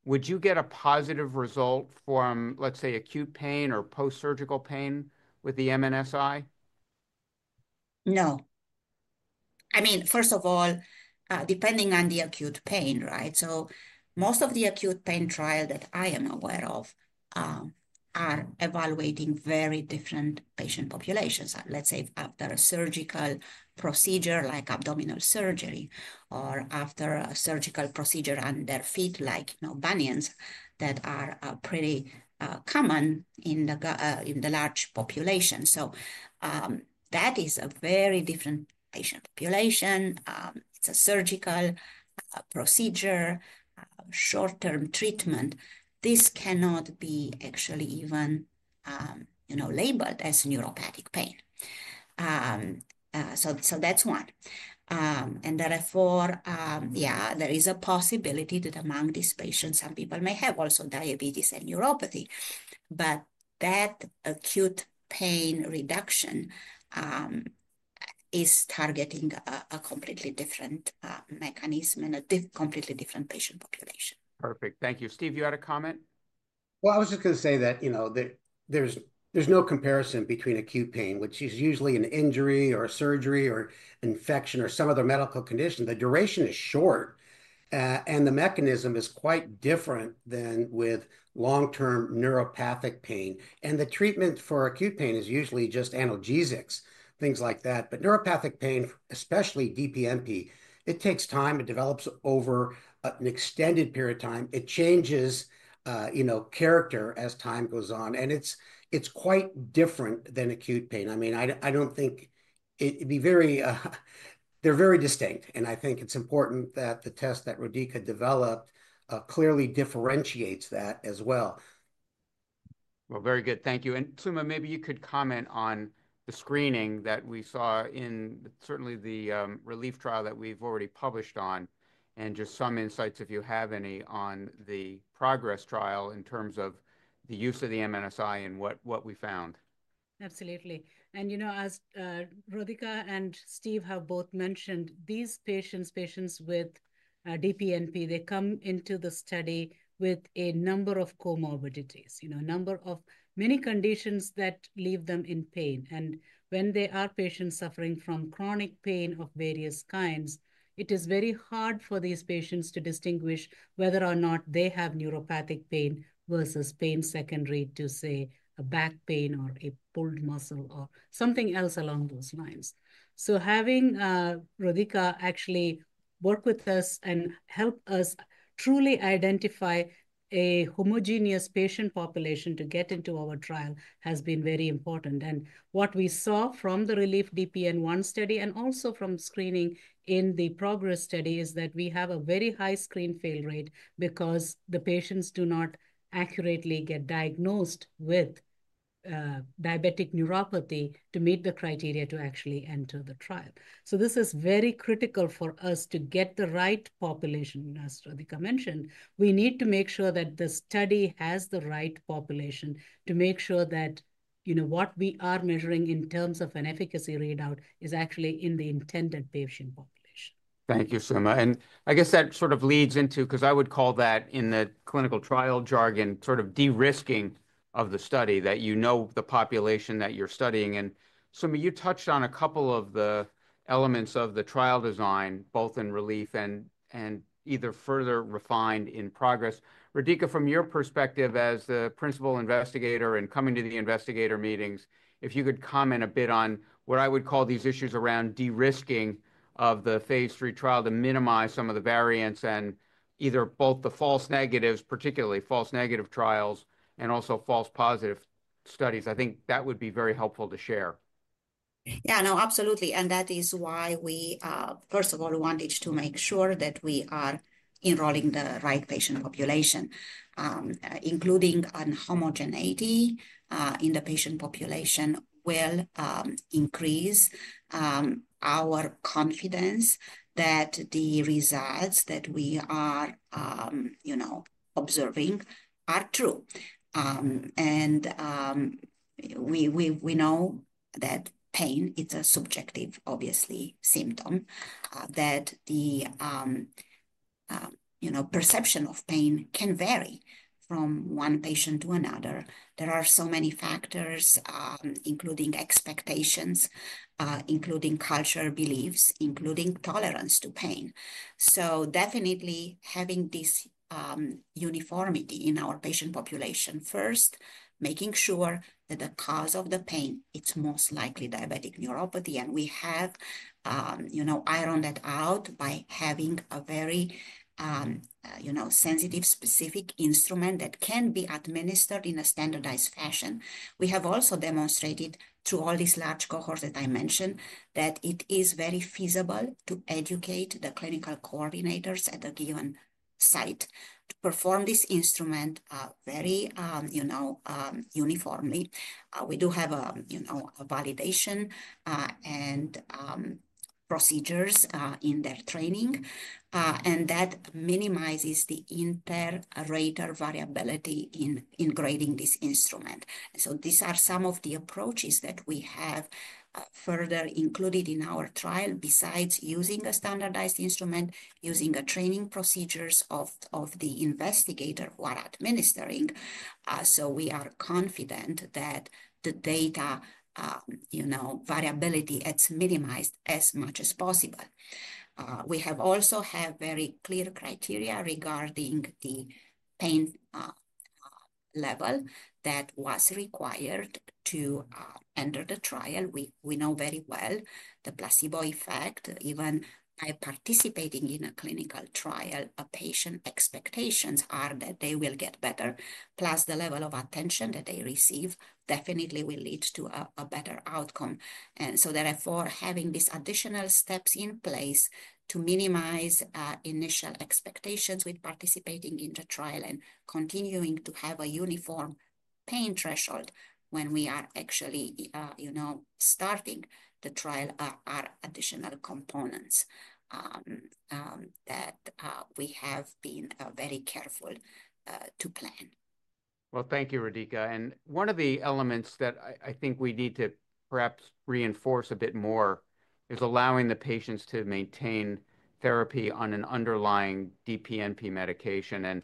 would you get a positive result from, let's say, acute pain or post-surgical pain with the MNSI? No. I mean, first of all, depending on the acute pain, right? So most of the acute pain trials that I am aware of are evaluating very different patient populations. Let's say after a surgical procedure like abdominal surgery or after a surgical procedure on their feet, like bunions that are pretty common in the large population. So that is a very different patient population. It's a surgical procedure, short-term treatment. This cannot be actually even, you know, labeled as neuropathic pain. So that's one. And therefore, yeah, there is a possibility that among these patients, some people may have also diabetes and neuropathy. But that acute pain reduction is targeting a completely different mechanism and a completely different patient population. Perfect. Thank you. Steve, you had a comment? Well, I was just going to say that, you know, there's no comparison between acute pain, which is usually an injury or a surgery or infection or some other medical condition. The duration is short, and the mechanism is quite different than with long-term neuropathic pain. And the treatment for acute pain is usually just analgesics, things like that. But neuropathic pain, especially DPNP, it takes time. It develops over an extended period of time. It changes, you know, character as time goes on. And it's quite different than acute pain. I mean, I don't think it'd be very. They're very distinct. And I think it's important that the test that Rodica developed clearly differentiates that as well. Well, very good. Thank you. And Suma, maybe you could comment on the screening that we saw in certainly the RELIEF trial that we've already published on and just some insights, if you have any, on the PROGRESS trial in terms of the use of the MNSI and what we found. Absolutely. You know, as Rodica and Steve have both mentioned, these patients, patients with DPNP, they come into the study with a number of comorbidities, you know, a number of many conditions that leave them in pain. And when they are patients suffering from chronic pain of various kinds, it is very hard for these patients to distinguish whether or not they have neuropathic pain versus pain secondary to, say, a back pain or a pulled muscle or something else along those lines. So having Rodica actually work with us and help us truly identify a homogeneous patient population to get into our trial has been very important. What we saw from the RELIEF-DPN-1 study and also from screening in the PROGRESS study is that we have a very high screen fail rate because the patients do not accurately get diagnosed with diabetic neuropathy to meet the criteria to actually enter the trial. So this is very critical for us to get the right population. As Rodica mentioned, we need to make sure that the study has the right population to make sure that, you know, what we are measuring in terms of an efficacy readout is actually in the intended patient population. Thank you, Suma. I guess that sort of leads into because I would call that in the clinical trial jargon, sort of de-risking of the study that you know the population that you're studying. Suma, you touched on a couple of the elements of the trial design, both in relief and either further refined in PROGRESS. Rodica, from your perspective as the principal investigator and coming to the investigator meetings, if you could comment a bit on what I would call these issues around de-risking of the phase III trial to minimize some of the variants and either both the false negatives, particularly false negative trials, and also false positive studies, I think that would be very helpful to share. Yeah, no, absolutely. That is why we, first of all, wanted to make sure that we are enrolling the right patient population. Including a homogeneity in the patient population will increase our confidence that the results that we are, you know, observing are true. We know that pain, it's a subjective, obviously, symptom, that the, you know, perception of pain can vary from one patient to another. There are so many factors, including expectations, including cultural beliefs, including tolerance to pain. Definitely having this uniformity in our patient population, first, making sure that the cause of the pain, it's most likely diabetic neuropathy. We have, you know, ironed that out by having a very, you know, sensitive, specific instrument that can be administered in a standardized fashion. We have also demonstrated through all these large cohorts that I mentioned that it is very feasible to educate the clinical coordinators at the given site to perform this instrument very, you know, uniformly. We do have, you know, a validation and procedures in their training, and that minimizes the inter-rater variability in grading this instrument. These are some of the approaches that we have further included in our trial besides using a standardized instrument, using the training procedures of the investigator who are administering. We are confident that the data, you know, variability is minimized as much as possible. We have also had very clear criteria regarding the pain level that was required to enter the trial. We know very well the placebo effect. Even by participating in a clinical trial, patient expectations are that they will get better. Plus, the level of attention that they receive definitely will lead to a better outcome. And so therefore, having these additional steps in place to minimize initial expectations with participating in the trial and continuing to have a uniform pain threshold when we are actually, you know, starting the trial are additional components that we have been very careful to plan. Well, thank you, Rodica. And one of the elements that I think we need to perhaps reinforce a bit more is allowing the patients to maintain therapy on an underlying DPNP medication. And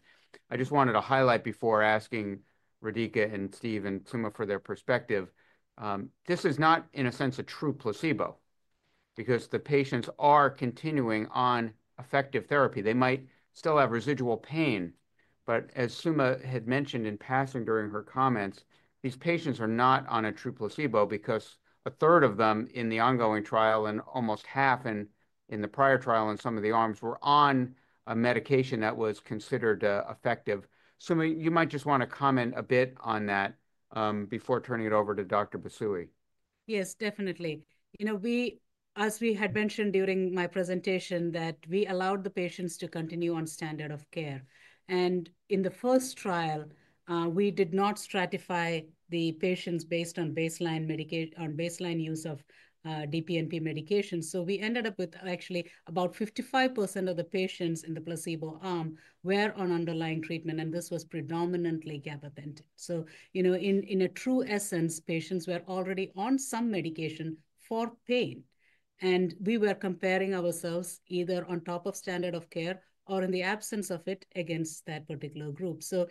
I just wanted to highlight before asking Rodica and Steve and Suma for their perspective, this is not, in a sense, a true placebo because the patients are continuing on effective therapy. They might still have residual pain. But as Suma had mentioned in passing during her comments, these patients are not on a true placebo because a third of them in the ongoing trial and almost half in the prior trial in some of the arms were on a medication that was considered effective. Suma, you might just want to comment a bit on that before turning it over to Dr. Busui. Yes, definitely. You know, as we had mentioned during my presentation, that we allowed the patients to continue on standard of care, and in the first trial, we did not stratify the patients based on baseline use of DPNP medication, so we ended up with actually about 55% of the patients in the placebo arm were on underlying treatment, and this was predominantly gabapentin. So, you know, in a true essence, patients were already on some medication for pain, and we were comparing ourselves either on top of standard of care or in the absence of it against that particular group, so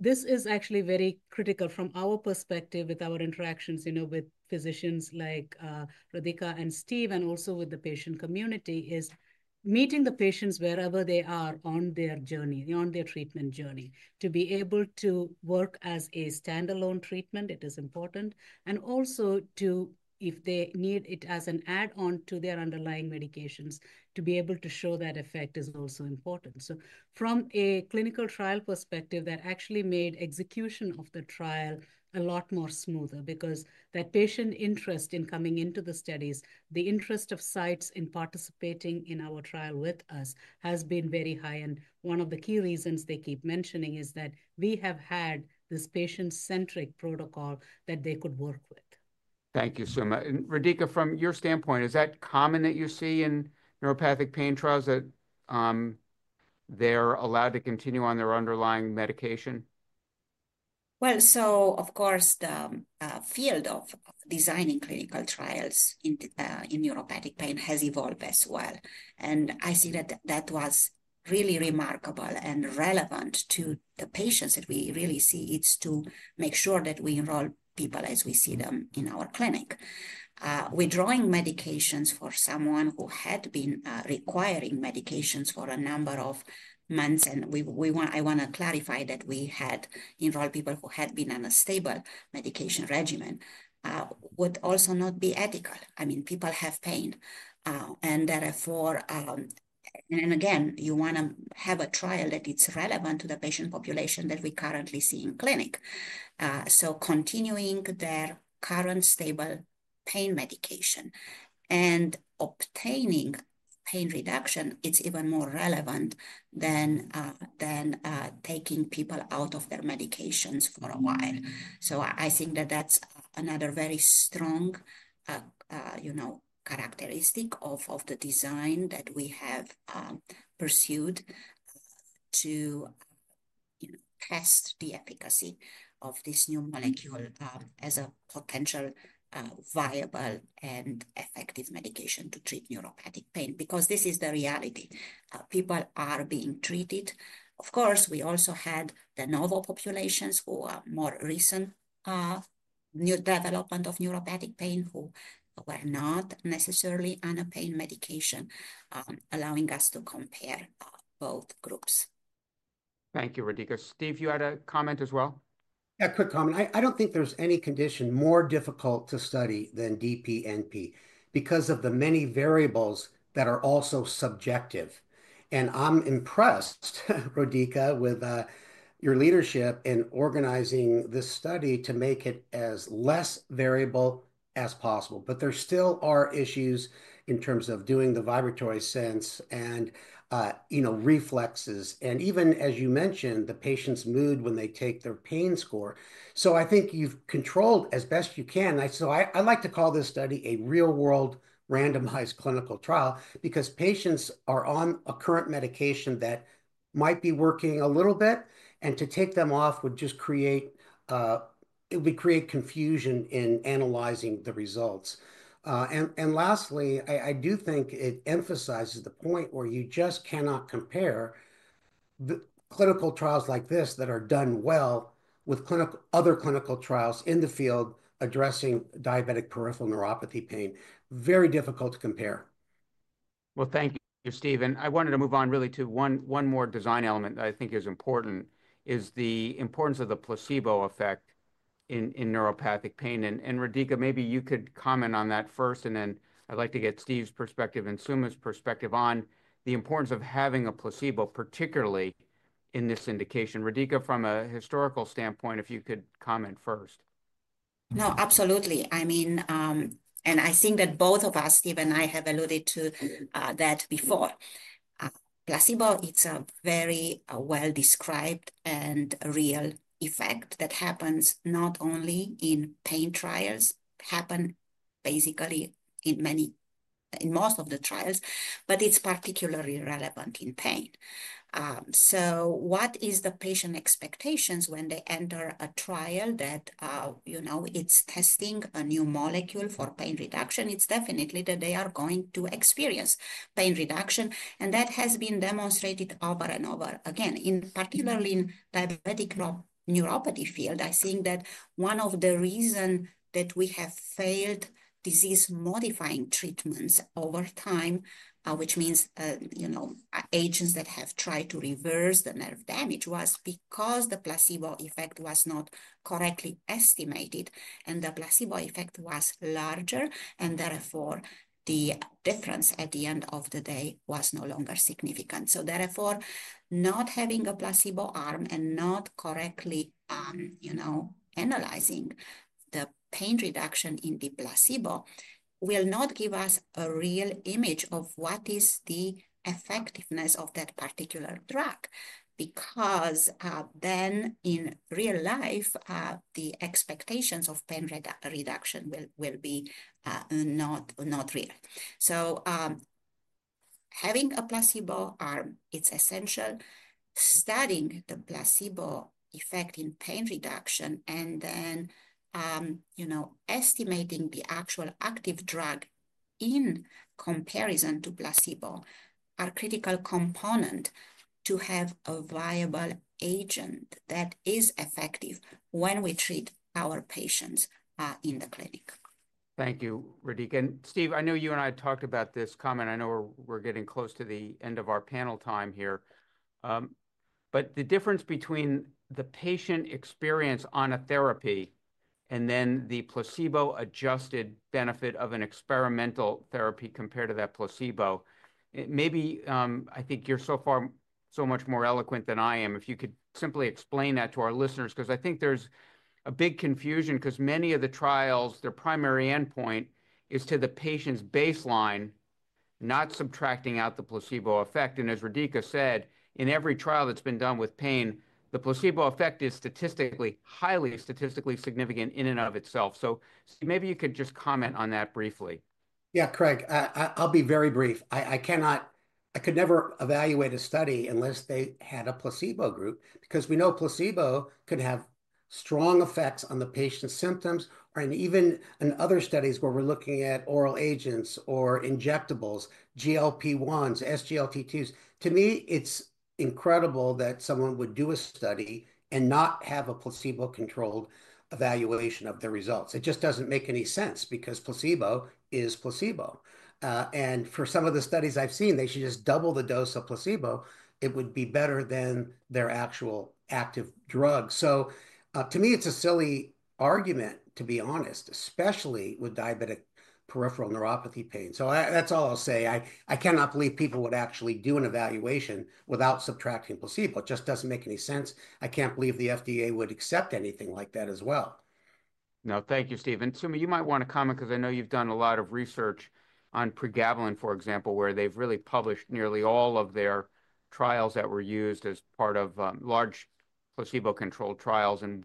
this is actually very critical from our perspective with our interactions, you know, with physicians like Rodica and Steve and also with the patient community, is meeting the patients wherever they are on their journey, on their treatment journey. To be able to work as a standalone treatment, it is important. And also to, if they need it as an add-on to their underlying medications, to be able to show that effect is also important. So from a clinical trial perspective, that actually made execution of the trial a lot more smoother because that patient interest in coming into the studies, the interest of sites in participating in our trial with us has been very high. And one of the key reasons they keep mentioning is that we have had this patient-centric protocol that they could work with. Thank you, Suma. And Rodica, from your standpoint, is that common that you see in neuropathic pain trials that they're allowed to continue on their underlying medication? Well, so of course, the field of designing clinical trials in neuropathic pain has evolved as well. And I see that that was really remarkable and relevant to the patients that we really see. It's to make sure that we enroll people as we see them in our clinic. Withdrawing medications for someone who had been requiring medications for a number of months, and I want to clarify that we had enrolled people who had been on a stable medication regimen would also not be ethical. I mean, people have pain. And therefore, and again, you want to have a trial that it's relevant to the patient population that we currently see in clinic. So continuing their current stable pain medication and obtaining pain reduction, it's even more relevant than taking people out of their medications for a while. I think that that's another very strong, you know, characteristic of the design that we have pursued to test the efficacy of this new molecule as a potential viable and effective medication to treat neuropathic pain because this is the reality. People are being treated. Of course, we also had the novel populations who are more recent new development of neuropathic pain who were not necessarily on a pain medication, allowing us to compare both groups. Thank you, Rodica. Steve, you had a comment as well? Yeah, quick comment. I don't think there's any condition more difficult to study than DPNP because of the many variables that are also subjective. I'm impressed, Rodica, with your leadership in organizing this study to make it as less variable as possible. But there still are issues in terms of doing the vibratory sense and, you know, reflexes. Even, as you mentioned, the patient's mood when they take their pain score. So I think you've controlled as best you can. I like to call this study a real-world randomized clinical trial because patients are on a current medication that might be working a little bit, and to take them off would just create confusion in analyzing the results. Lastly, I do think it emphasizes the point where you just cannot compare clinical trials like this that are done well with other clinical trials in the field addressing diabetic peripheral neuropathy pain. Very difficult to compare. Thank you, Steve. I wanted to move on really to one more design element that I think is important, is the importance of the placebo effect in neuropathic pain. Rodica, maybe you could comment on that first, and then I'd like to get Steve's perspective and Suma's perspective on the importance of having a placebo, particularly in this indication. Rodica, from a historical standpoint, if you could comment first. No, absolutely. I mean, and I think that both of us, Steve and I, have alluded to that before. Placebo, it's a very well-described and real effect that happens not only in pain trials, happen basically in most of the trials, but it's particularly relevant in pain. So what is the patient expectations when they enter a trial that, you know, it's testing a new molecule for pain reduction? It's definitely that they are going to experience pain reduction. And that has been demonstrated over and over again, particularly in the diabetic neuropathy field. I think that one of the reasons that we have failed disease-modifying treatments over time, which means, you know, agents that have tried to reverse the nerve damage, was because the placebo effect was not correctly estimated and the placebo effect was larger, and therefore, the difference at the end of the day was no longer significant. So therefore, not having a placebo arm and not correctly, you know, analyzing the pain reduction in the placebo will not give us a real image of what is the effectiveness of that particular drug because then in real life, the expectations of pain reduction will be not real. So having a placebo arm, it's essential. Studying the placebo effect in pain reduction and then, you know, estimating the actual active drug in comparison to placebo are critical components to have a viable agent that is effective when we treat our patients in the clinic. Thank you, Rodica. And Steve, I know you and I talked about this comment. I know we're getting close to the end of our panel time here. But the difference between the patient experience on a therapy and then the placebo-adjusted benefit of an experimental therapy compared to that placebo, maybe I think you're so far so much more eloquent than I am if you could simply explain that to our listeners because I think there's a big confusion because many of the trials, their primary endpoint is to the patient's baseline, not subtracting out the placebo effect. As Rodica said, in every trial that's been done with pain, the placebo effect is statistically, highly statistically significant in and of itself. So maybe you could just comment on that briefly. Yeah, Craig, I'll be very brief. I cannot, I could never evaluate a study unless they had a placebo group because we know placebo could have strong effects on the patient's symptoms. And even in other studies where we're looking at oral agents or injectables, GLP-1s, SGLT2s, to me, it's incredible that someone would do a study and not have a placebo-controlled evaluation of the results. It just doesn't make any sense because placebo is placebo. And for some of the studies I've seen, they should just double the dose of placebo. It would be better than their actual active drug. So to me, it's a silly argument, to be honest, especially with diabetic peripheral neuropathy pain. So that's all I'll say. I cannot believe people would actually do an evaluation without subtracting placebo. It just doesn't make any sense. I can't believe the FDA would accept anything like that as well. No, thank you, Steve. And Suma, you might want to comment because I know you've done a lot of research on pregabalin, for example, where they've really published nearly all of their trials that were used as part of large placebo-controlled trials and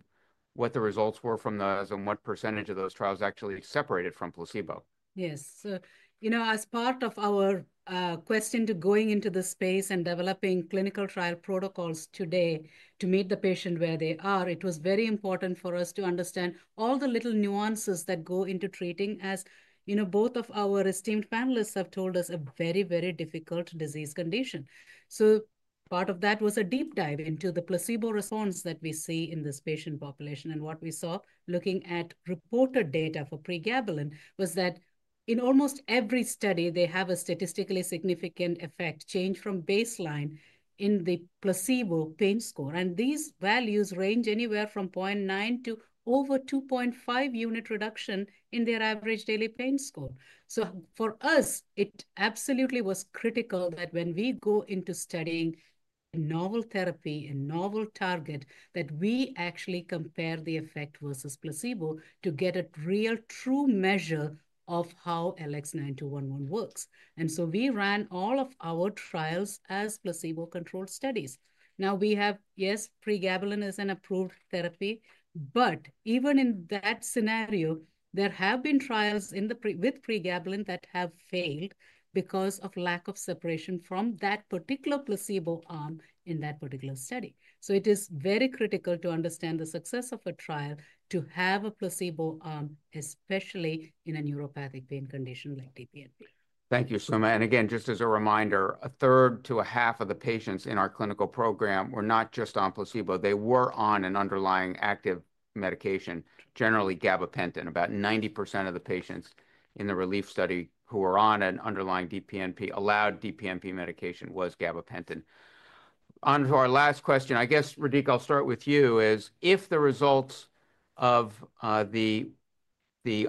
what the results were from those and what percentage of those trials actually separated from placebo. Yes. So, you know, as part of our question to going into the space and developing clinical trial protocols today to meet the patient where they are, it was very important for us to understand all the little nuances that go into treating, as, you know, both of our esteemed panelists have told us, a very, very difficult disease condition. So part of that was a deep dive into the placebo response that we see in this patient population. And what we saw looking at reported data for pregabalin was that in almost every study, they have a statistically significant effect change from baseline in the placebo pain score. And these values range anywhere from 0.9 to over 2.5 unit reduction in their average daily pain score. So for us, it absolutely was critical that when we go into studying a novel therapy, a novel target, that we actually compare the effect versus placebo to get a real true measure of how LX9211 works. And so we ran all of our trials as placebo-controlled studies. Now, we have, yes, pregabalin is an approved therapy, but even in that scenario, there have been trials with pregabalin that have failed because of lack of separation from that particular placebo arm in that particular study. So it is very critical to understand the success of a trial to have a placebo arm, especially in a neuropathic pain condition like DPNP. Thank you, Suma. And again, just as a reminder, a third to a half of the patients in our clinical program were not just on placebo. They were on an underlying active medication, generally gabapentin. About 90% of the patients in the RELIEF study who were on an underlying DPNP-allowed DPNP medication was gabapentin. Onto our last question, I guess, Rodica, I'll start with you, is if the results of the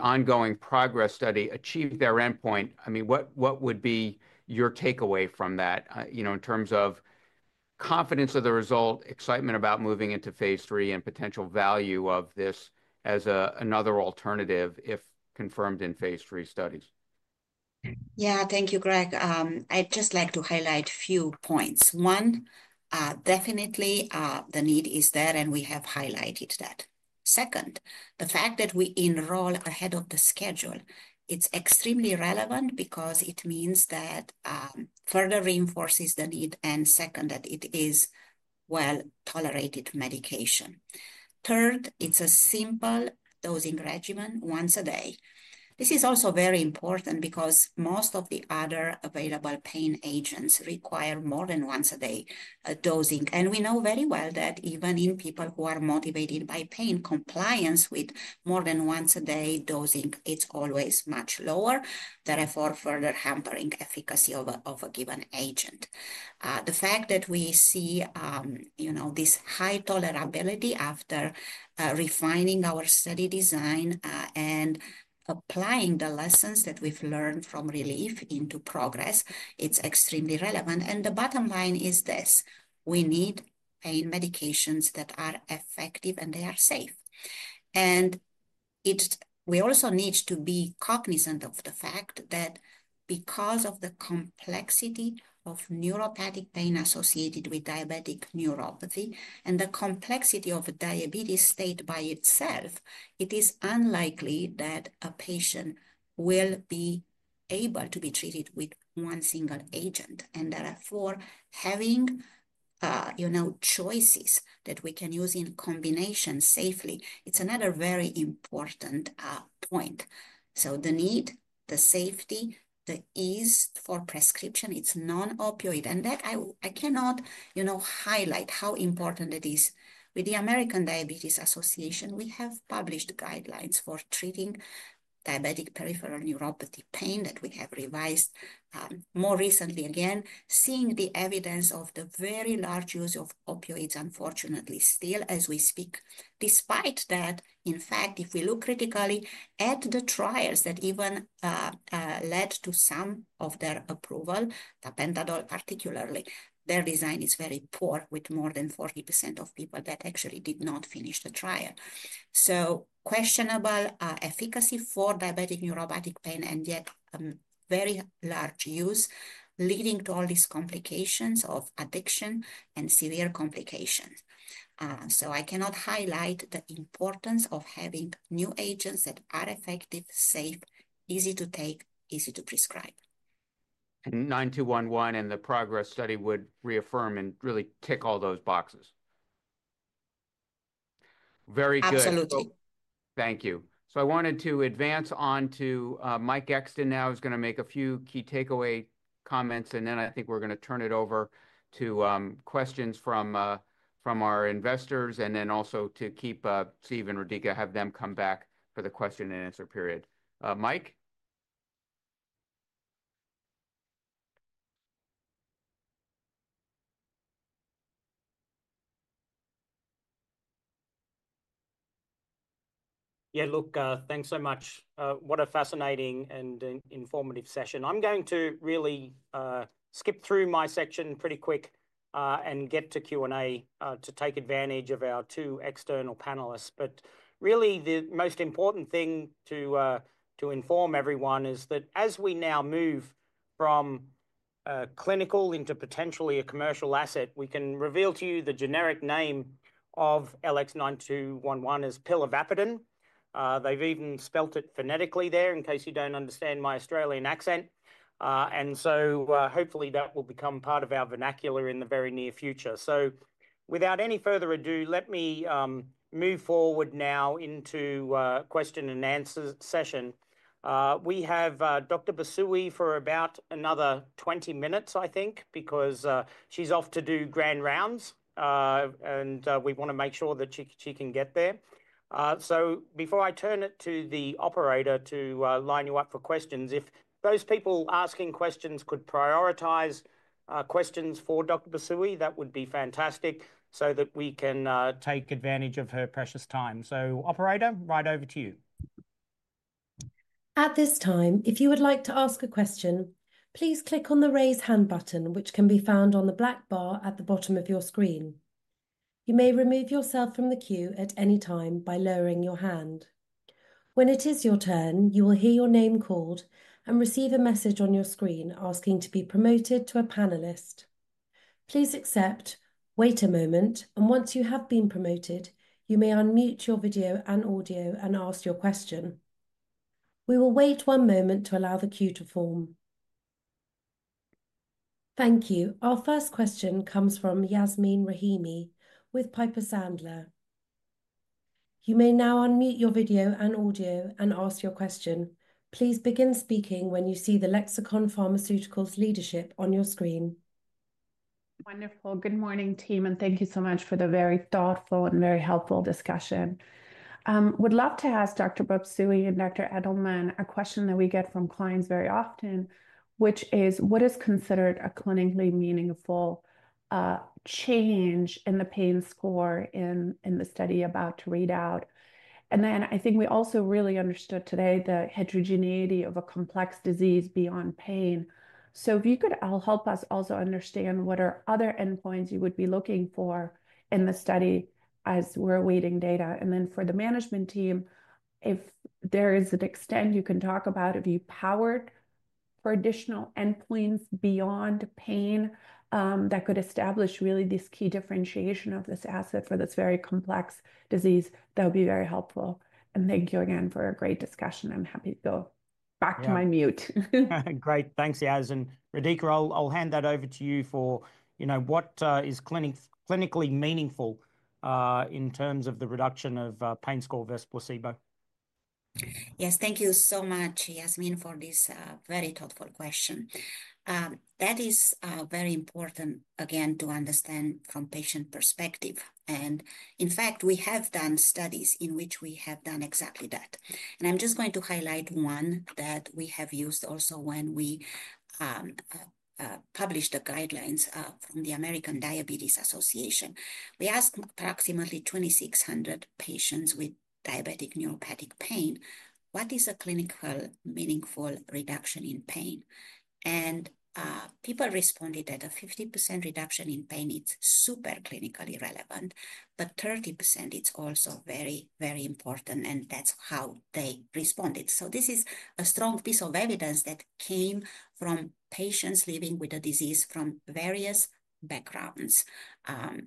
ongoing PROGRESS study achieve their endpoint, I mean, what would be your takeaway from that, you know, in terms of confidence of the result, excitement about moving into phase III, and potential value of this as another alternative if confirmed in phase III studies? Yeah, thank you, Craig. I'd just like to highlight a few points. One, definitely the need is there, and we have highlighted that. Second, the fact that we enroll ahead of the schedule, it's extremely relevant because it means that further reinforces the need, and second, that it is well-tolerated medication. Third, it's a simple dosing regimen once a day. This is also very important because most of the other available pain agents require more than once a day dosing. And we know very well that even in people who are motivated by pain, compliance with more than once a day dosing, it's always much lower. Therefore, further hampering efficacy of a given agent. The fact that we see, you know, this high tolerability after refining our study design and applying the lessons that we've learned from RELIEF into PROGRESS, it's extremely relevant. And the bottom line is this: we need pain medications that are effective and they are safe. And we also need to be cognizant of the fact that because of the complexity of neuropathic pain associated with diabetic neuropathy and the complexity of diabetes state by itself, it is unlikely that a patient will be able to be treated with one single agent. And therefore, having, you know, choices that we can use in combination safely, it's another very important point. So the need, the safety, the ease for prescription, it's non-opioid. And that I cannot, you know, highlight how important it is. With the American Diabetes Association, we have published guidelines for treating diabetic peripheral neuropathy pain that we have revised more recently. Again, seeing the evidence of the very large use of opioids, unfortunately, still as we speak. Despite that, in fact, if we look critically at the trials that even led to some of their approval, tapentadol particularly, their design is very poor with more than 40% of people that actually did not finish the trial. So questionable efficacy for diabetic neuropathic pain and yet very large use leading to all these complications of addiction and severe complications. So, I cannot highlight the importance of having new agents that are effective, safe, easy to take, easy to prescribe. And 9211 and the PROGRESS study would reaffirm and really tick all those boxes. Very good. Absolutely. Thank you. So, I wanted to advance on to Mike Exton now. He's going to make a few key takeaway comments, and then I think we're going to turn it over to questions from our investors and then also to keep Steve and Rodica, have them come back for the question and answer period. Mike? Yeah, look, thanks so much. What a fascinating and informative session. I'm going to really skip through my section pretty quick and get to Q&A to take advantage of our two external panelists. But really, the most important thing to inform everyone is that as we now move from clinical into potentially a commercial asset, we can reveal to you the generic name of LX9211 as pilivapadin. They've even spelt it phonetically there in case you don't understand my Australian accent. And so hopefully that will become part of our vernacular in the very near future. So without any further ado, let me move forward now into question and answer session. We have Dr. Busui for about another 20 minutes, I think, because she's off to do grand rounds, and we want to make sure that she can get there. So before I turn it to the operator to line you up for questions, if those people asking questions could prioritize questions for Dr. Busui, that would be fantastic so that we can take advantage of her precious time. So operator, right over to you. At this time, if you would like to ask a question, please click on the raise hand button, which can be found on the black bar at the bottom of your screen. You may remove yourself from the queue at any time by lowering your hand. When it is your turn, you will hear your name called and receive a message on your screen asking to be promoted to a panelist. Please accept, wait a moment, and once you have been promoted, you may unmute your video and audio and ask your question. We will wait one moment to allow the queue to form. Thank you. Our first question comes from Yasmin Rahimi with Piper Sandler. You may now unmute your video and audio and ask your question. Please begin speaking when you see the Lexicon Pharmaceuticals leadership on your screen. Wonderful. Good morning, team, and thank you so much for the very thoughtful and very helpful discussion. I would love to ask Dr. Busui and Dr. Edelman a question that we get from clients very often, which is, what is considered a clinically meaningful change in the pain score in the study about to read out? And then I think we also really understood today the heterogeneity of a complex disease beyond pain. So if you could help us also understand what are other endpoints you would be looking for in the study as we're awaiting data. And then for the management team, if there is an extent you can talk about, if you powered for additional endpoints beyond pain that could establish really this key differentiation of this asset for this very complex disease, that would be very helpful. And thank you again for a great discussion. I'm happy to go back to my mute. Great. Thanks, Yasmin. Rodica, I'll hand that over to you for, you know, what is clinically meaningful in terms of the reduction of pain score versus placebo. Yes, thank you so much, Yasmin, for this very thoughtful question. That is very important, again, to understand from patient perspective. And in fact, we have done studies in which we have done exactly that. And I'm just going to highlight one that we have used also when we published the guidelines from the American Diabetes Association. We asked approximately 2,600 patients with diabetic neuropathic pain, what is a clinically meaningful reduction in pain? And people responded that a 50% reduction in pain, it's super clinically relevant, but 30%, it's also very, very important, and that's how they responded. So this is a strong piece of evidence that came from patients living with a disease from various backgrounds,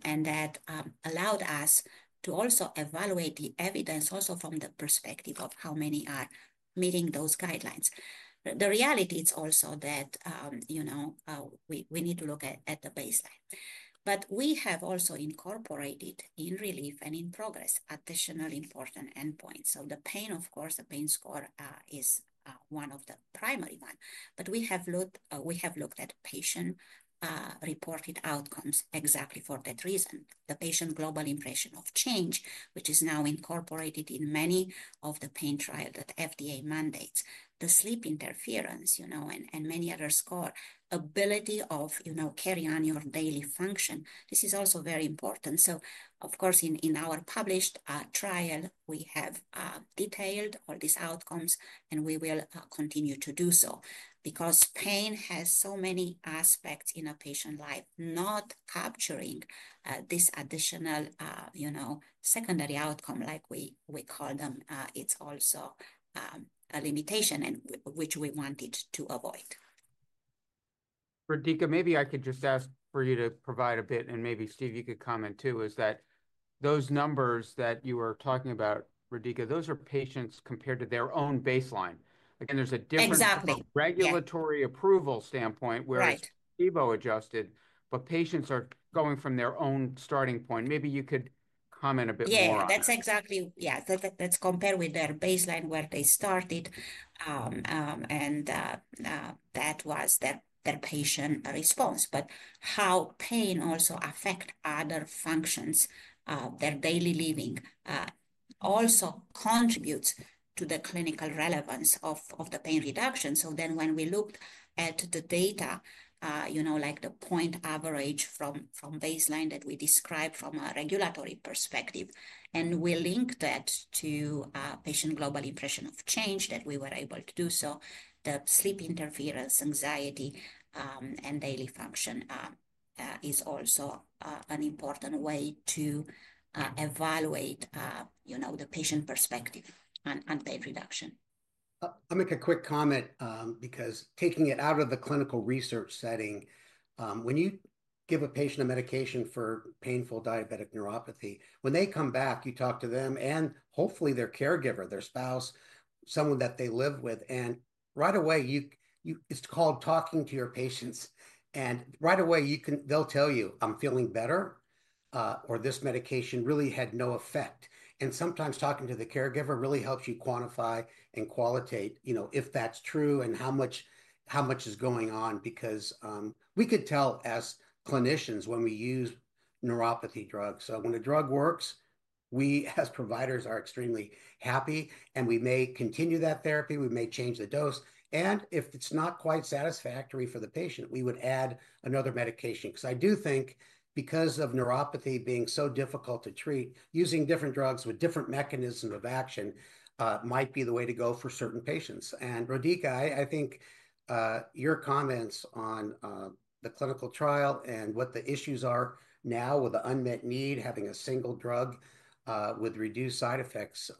and that allowed us to also evaluate the evidence from the perspective of how many are meeting those guidelines. The reality is also that, you know, we need to look at the baseline. But we have also incorporated in RELIEF and in PROGRESS additional important endpoints. So the pain, of course, the pain score is one of the primary ones. But we have looked at patient-reported outcomes exactly for that reason. The patient global impression of change, which is now incorporated in many of the pain trials that FDA mandates, the sleep interference, you know, and many other scores, ability of, you know, carry on your daily function, this is also very important. Of course, in our published trial, we have detailed all these outcomes, and we will continue to do so because pain has so many aspects in a patient's life, not capturing this additional, you know, secondary outcome like we call them. It's also a limitation which we wanted to avoid. Rodica, maybe I could just ask for you to provide a bit, and maybe Steve, you could comment too, is that those numbers that you were talking about, Rodica, those are patients compared to their own baseline. Again, there's a difference from a regulatory approval standpoint where it's placebo-adjusted, but patients are going from their own starting point. Maybe you could comment a bit more on that. Yeah, that's exactly, yeah, let's compare with their baseline where they started, and that was their patient response. But how pain also affects other functions, their daily living, also contributes to the clinical relevance of the pain reduction. So then when we looked at the data, you know, like the point average from baseline that we described from a regulatory perspective, and we linked that to patient global impression of change, that we were able to do so, the sleep interference, anxiety, and daily function is also an important way to evaluate, you know, the patient perspective on pain reduction. I'll make a quick comment because taking it out of the clinical research setting, when you give a patient a medication for painful diabetic neuropathy, when they come back, you talk to them and hopefully their caregiver, their spouse, someone that they live with, and right away, it's called talking to your patients. And right away, they'll tell you, "I'm feeling better," or, "This medication really had no effect." And sometimes talking to the caregiver really helps you quantify and qualify, you know, if that's true and how much is going on because we could tell as clinicians when we use neuropathy drugs. So when a drug works, we as providers are extremely happy, and we may continue that therapy, we may change the dose. And if it's not quite satisfactory for the patient, we would add another medication. Because I do think because of neuropathy being so difficult to treat, using different drugs with different mechanisms of action might be the way to go for certain patients. And Rodica, I think your comments on the clinical trial and what the issues are now with the unmet need, having a single drug with reduced side effects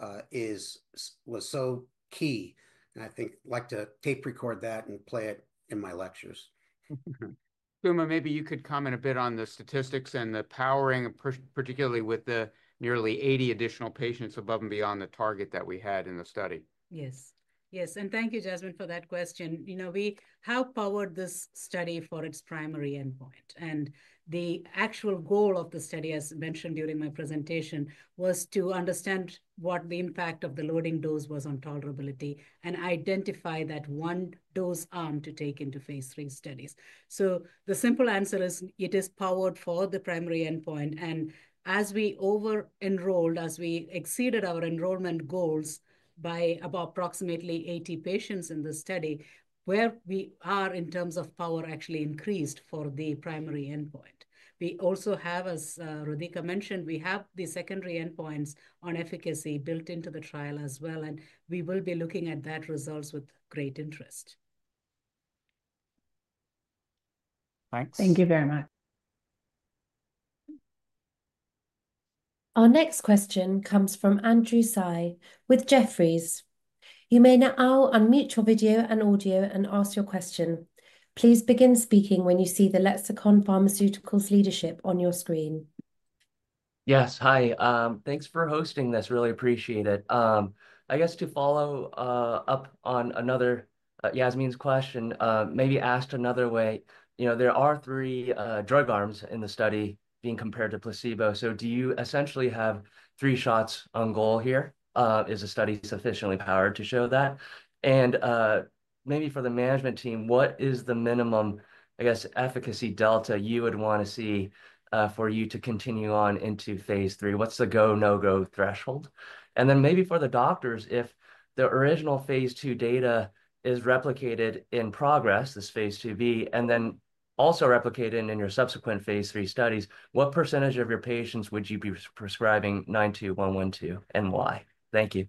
was so key. I think I'd like to tape record that and play it in my lectures. Suma, maybe you could comment a bit on the statistics and the powering, particularly with the nearly 80 additional patients above and beyond the target that we had in the study. Yes. Yes. And thank you, Yasmin, for that question. You know, we have powered this study for its primary endpoint. And the actual goal of the study, as mentioned during my presentation, was to understand what the impact of the loading dose was on tolerability and identify that one dose arm to take into phase III studies. So the simple answer is it is powered for the primary endpoint. And as we over-enrolled, as we exceeded our enrollment goals by about approximately 80 patients in the study, where we are in terms of power actually increased for the primary endpoint. We also have, as Rodica mentioned, we have the secondary endpoints on efficacy built into the trial as well, and we will be looking at that results with great interest. Thanks. Thank you very much. Our next question comes from Andrew Tsai with Jefferies. You may now unmute your video and audio and ask your question. Please begin speaking when you see the Lexicon Pharmaceuticals leadership on your screen. Yes. Hi. Thanks for hosting this. Really appreciate it. I guess to follow up on another Yasmin's question, maybe asked another way, you know, there are three drug arms in the study being compared to placebo. So do you essentially have three shots on goal here? Is a study sufficiently powered to show that? And maybe for the management team, what is the minimum, I guess, efficacy delta you would want to see for you to continue on into phase III? What's the go-no-go threshold? And then maybe for the doctors, if the original phase II data is replicated in PROGRESS, this phase IIb, and then also replicated in your subsequent phase III studies, what percentage of your patients would you be prescribing LX9211 and why? Thank you.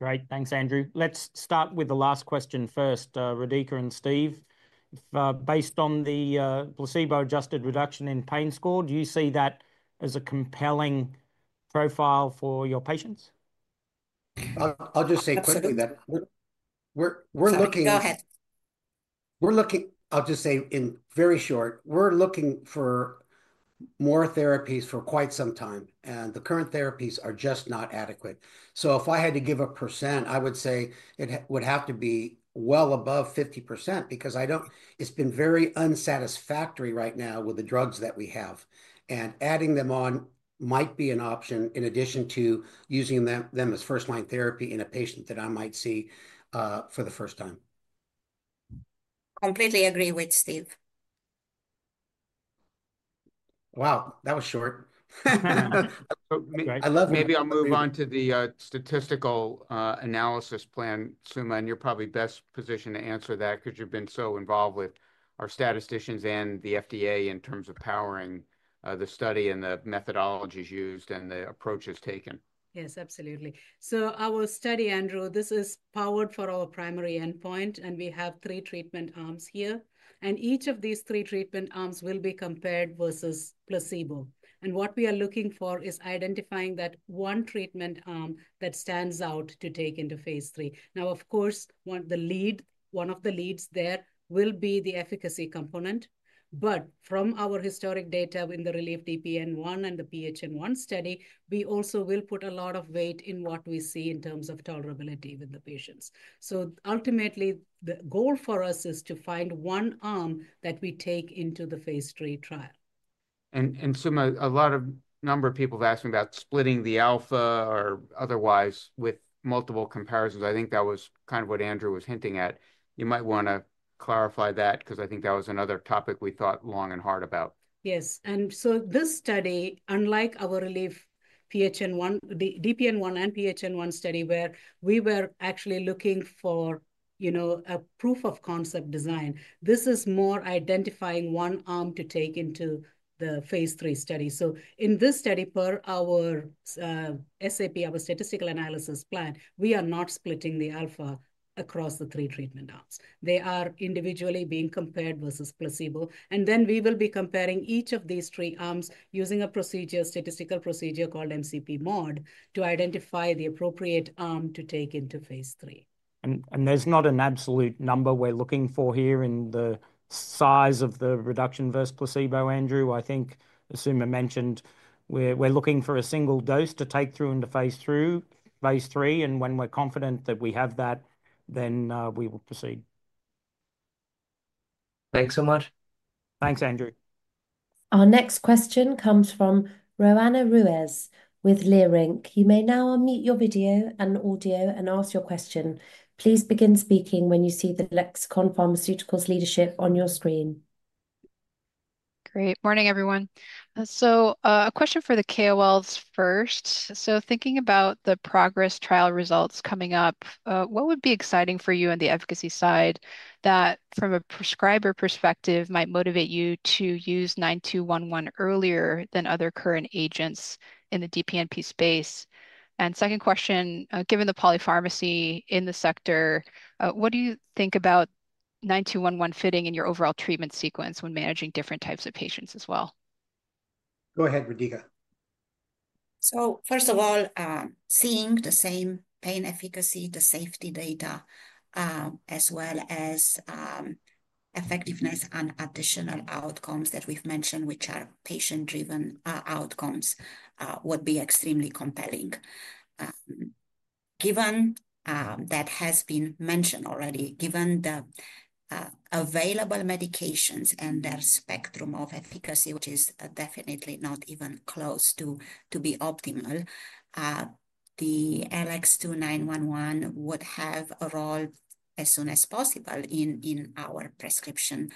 Great. Thanks, Andrew. Let's start with the last question first, Rodica and Steve. Based on the placebo-adjusted reduction in pain score, do you see that as a compelling profile for your patients? I'll just say quickly that we're looking —go ahead. We're looking. I'll just say in very short, we're looking for more therapies for quite some time, and the current therapies are just not adequate. So if I had to give a percent, I would say it would have to be well above 50% because I don't—it's been very unsatisfactory right now with the drugs that we have. Adding them on might be an option in addition to using them as first-line therapy in a patient that I might see for the first time. Completely agree with Steve. Wow, that was short. I love it. Maybe I'll move on to the statistical analysis plan, Suma. You're probably best positioned to answer that because you've been so involved with our statisticians and the FDA in terms of powering the study and the methodologies used and the approaches taken. Yes, absolutely. Our study, Andrew, this is powered for our primary endpoint, and we have three treatment arms here. Each of these three treatment arms will be compared versus placebo. What we are looking for is identifying that one treatment arm that stands out to take into phase III. Now, of course, one of the leads there will be the efficacy component. But from our historical data in the RELIEF-DPN-1 and the RELIEF-PHN-1 study, we also will put a lot of weight in what we see in terms of tolerability with the patients. So ultimately, the goal for us is to find one arm that we take into the phase III trial. And Suma, a number of people have asked me about splitting the alpha or otherwise with multiple comparisons. I think that was kind of what Andrew was hinting at. You might want to clarify that because I think that was another topic we thought long and hard about. Yes. And so this study, unlike our RELIEF-DPN-1 and RELIEF-PHN-1 study, where we were actually looking for, you know, a proof of concept design, this is more identifying one arm to take into the phase III study. So in this study, per our SAP, our statistical analysis plan, we are not splitting the alpha across the three treatment arms. They are individually being compared versus placebo. And then we will be comparing each of these three arms using a procedure, statistical procedure called MCP-Mod, to identify the appropriate arm to take into phase III. And there's not an absolute number we're looking for here in the size of the reduction versus placebo, Andrew. I think, as Suma mentioned, we're looking for a single dose to take through into phase III. And when we're confident that we have that, then we will proceed. Thanks so much. Thanks, Andrew. Our next question comes from Roanna Ruiz with Leerink. You may now unmute your video and audio and ask your question. Please begin speaking when you see the Lexicon Pharmaceuticals leadership on your screen. Great. Morning, everyone. A question for the KOLs first. So thinking about the PROGRESS trial results coming up, what would be exciting for you on the efficacy side that from a prescriber perspective might motivate you to use 9211 earlier than other current agents in the DPNP space? And second question, given the polypharmacy in the sector, what do you think about 9211 fitting in your overall treatment sequence when managing different types of patients as well? Go ahead, Rodica. So first of all, seeing the same pain efficacy, the safety data, as well as effectiveness and additional outcomes that we've mentioned, which are patient-driven outcomes, would be extremely compelling. Given that has been mentioned already, given the available medications and their spectrum of efficacy, which is definitely not even close to be optimal, the LX9211 would have a role as soon as possible in our prescription,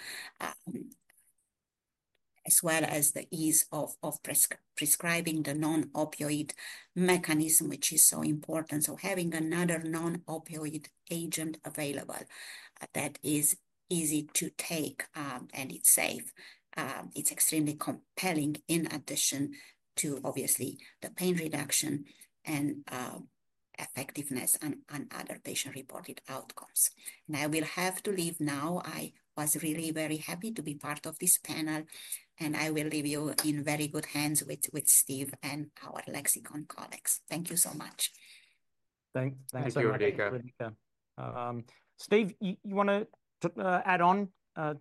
as well as the ease of prescribing the non-opioid mechanism, which is so important. So having another non-opioid agent available that is easy to take and it's safe, it's extremely compelling in addition to obviously the pain reduction and effectiveness and other patient-reported outcomes. And I will have to leave now. I was really very happy to be part of this panel, and I will leave you in very good hands with Steve and our Lexicon colleagues. Thank you so much. Thanks. Thanks, Rodica. Thank you, Rodica. Steve, you want to add on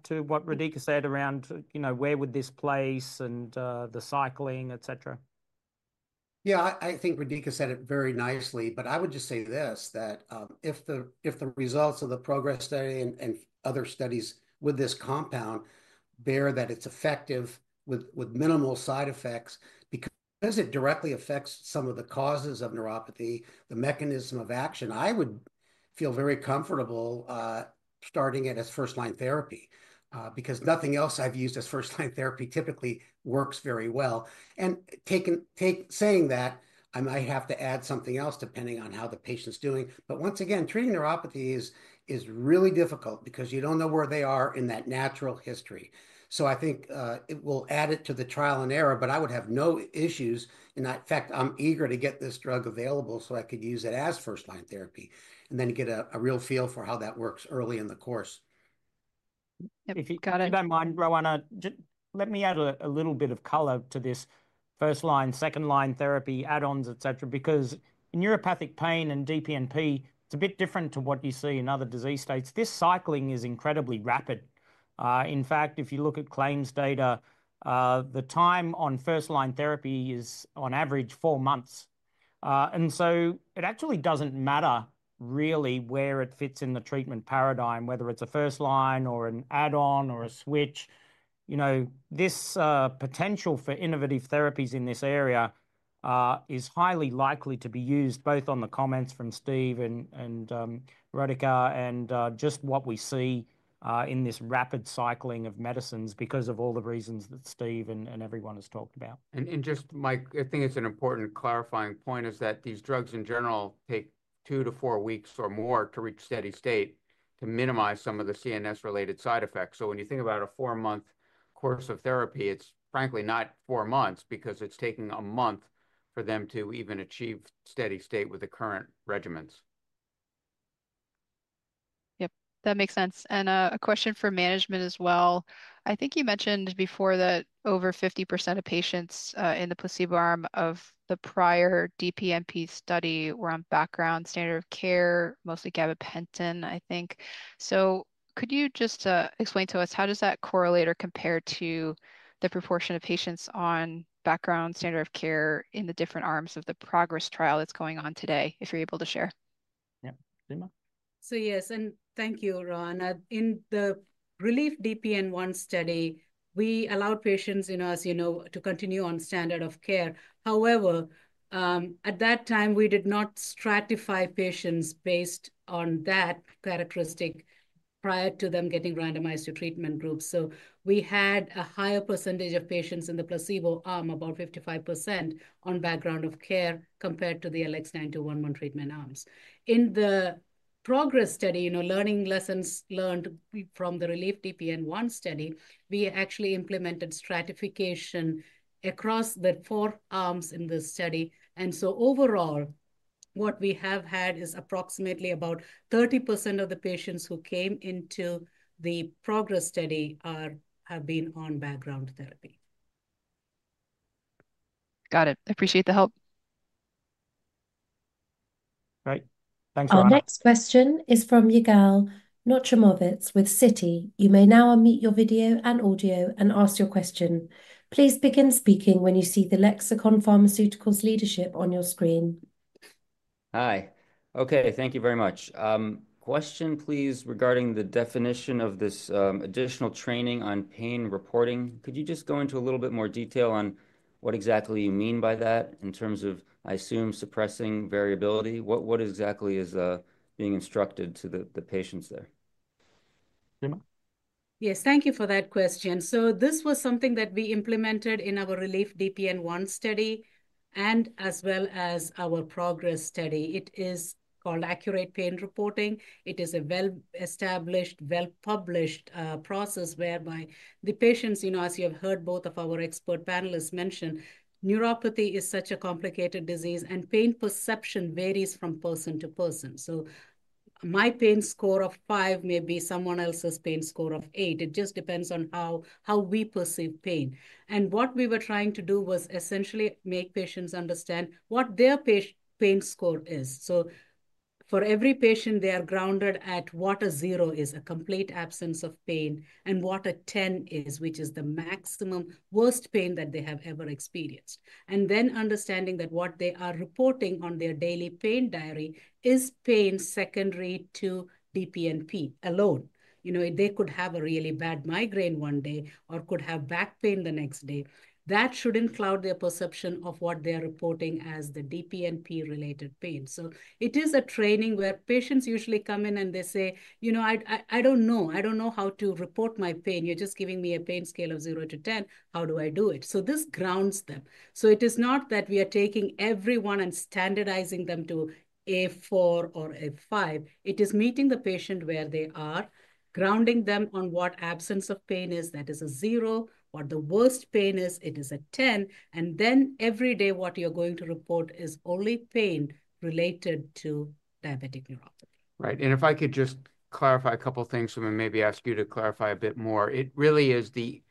to what Rodica said around, you know, where would this place and the cycling, etc.? Yeah, I think Rodica said it very nicely, but I would just say this, that if the results of the PROGRESS study and other studies with this compound bear that it's effective with minimal side effects because it directly affects some of the causes of neuropathy, the mechanism of action, I would feel very comfortable starting it as first-line therapy because nothing else I've used as first-line therapy typically works very well. And saying that, I might have to add something else depending on how the patient's doing. But once again, treating neuropathy is really difficult because you don't know where they are in that natural history. So I think it will add it to the trial and error, but I would have no issues. In fact, I'm eager to get this drug available so I could use it as first-line therapy and then get a real feel for how that works early in the course. If you got it. Let me add a little bit of color to this first-line, second-line therapy add-ons, etc., because in neuropathic pain and DPNP, it's a bit different to what you see in other disease states. This cycling is incredibly rapid. In fact, if you look at claims data, the time on first-line therapy is on average four months. And so it actually doesn't matter really where it fits in the treatment paradigm, whether it's a first-line or an add-on or a switch. You know, this potential for innovative therapies in this area is highly likely to be used both on the comments from Steve and Rodica and just what we see in this rapid cycling of medicines because of all the reasons that Steve and everyone has talked about. And just Mike, I think it's an important clarifying point is that these drugs in general take two to four weeks or more to reach steady state to minimize some of the CNS-related side effects. So when you think about a four-month course of therapy, it's frankly not four months because it's taking a month for them to even achieve steady state with the current regimens. Yep. That makes sense. And a question for management as well. I think you mentioned before that over 50% of patients in the placebo arm of the prior DPNP study were on background standard of care, mostly gabapentin, I think. So could you just explain to us how does that correlate or compare to the proportion of patients on background standard of care in the different arms of the PROGRESS trial that's going on today, if you're able to share? Yeah. So yes. And thank you, Roanna. In the RELIEF-DPN-1 study, we allowed patients, you know, as you know, to continue on standard of care. However, at that time, we did not stratify patients based on that characteristic prior to them getting randomized to treatment groups. So we had a higher percentage of patients in the placebo arm, about 55%, on background of care compared to the LX9211 treatment arms. In the PROGRESS study, you know, learning lessons learned from the RELIEF-DPN-1 study, we actually implemented stratification across the four arms in this study. And so overall, what we have had is approximately about 30% of the patients who came into the PROGRESS study have been on background therapy. Got it. Appreciate the help. All right. Thanks, Roanna. Our next question is from Yigal Nochomovitz with Citi. You may now unmute your video and audio and ask your question. Please begin speaking when you see the Lexicon Pharmaceuticals leadership on your screen. Hi. Okay. Thank you very much. Question, please, regarding the definition of this additional training on pain reporting. Could you just go into a little bit more detail on what exactly you mean by that in terms of, I assume, suppressing variability? What exactly is being instructed to the patients there? Yes. Thank you for that question. So this was something that we implemented in our RELIEF-DPN-1 study and as well as our PROGRESS study. It is called accurate pain reporting. It is a well-established, well-published process whereby the patients, you know, as you have heard both of our expert panelists mention, neuropathy is such a complicated disease and pain perception varies from person to person. So my pain score of five may be someone else's pain score of eight. It just depends on how we perceive pain. And what we were trying to do was essentially make patients understand what their pain score is. So for every patient, they are grounded at what a zero is, a complete absence of pain, and what a 10 is, which is the maximum worst pain that they have ever experienced. And then, understanding that what they are reporting on their daily pain diary is pain secondary to DPNP alone. You know, they could have a really bad migraine one day or could have back pain the next day. That shouldn't cloud their perception of what they are reporting as the DPNP-related pain. So it is a training where patients usually come in and they say, you know, I don't know. I don't know how to report my pain. You're just giving me a pain scale of zero to 10. How do I do it? So this grounds them. So it is not that we are taking everyone and standardizing them to a four or a five. It is meeting the patient where they are, grounding them on what absence of pain is. That is a zero. What the worst pain is, it is a 10. And then every day, what you're going to report is only pain related to diabetic neuropathy. Right. And if I could just clarify a couple of things, Suma maybe ask you to clarify a bit more. It really is the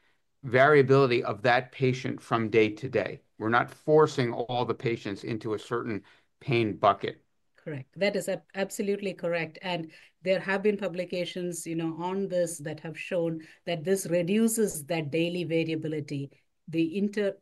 variability of that patient from day to day. We're not forcing all the patients into a certain pain bucket. Correct. That is absolutely correct. And there have been publications, you know, on this that have shown that this reduces that daily variability, the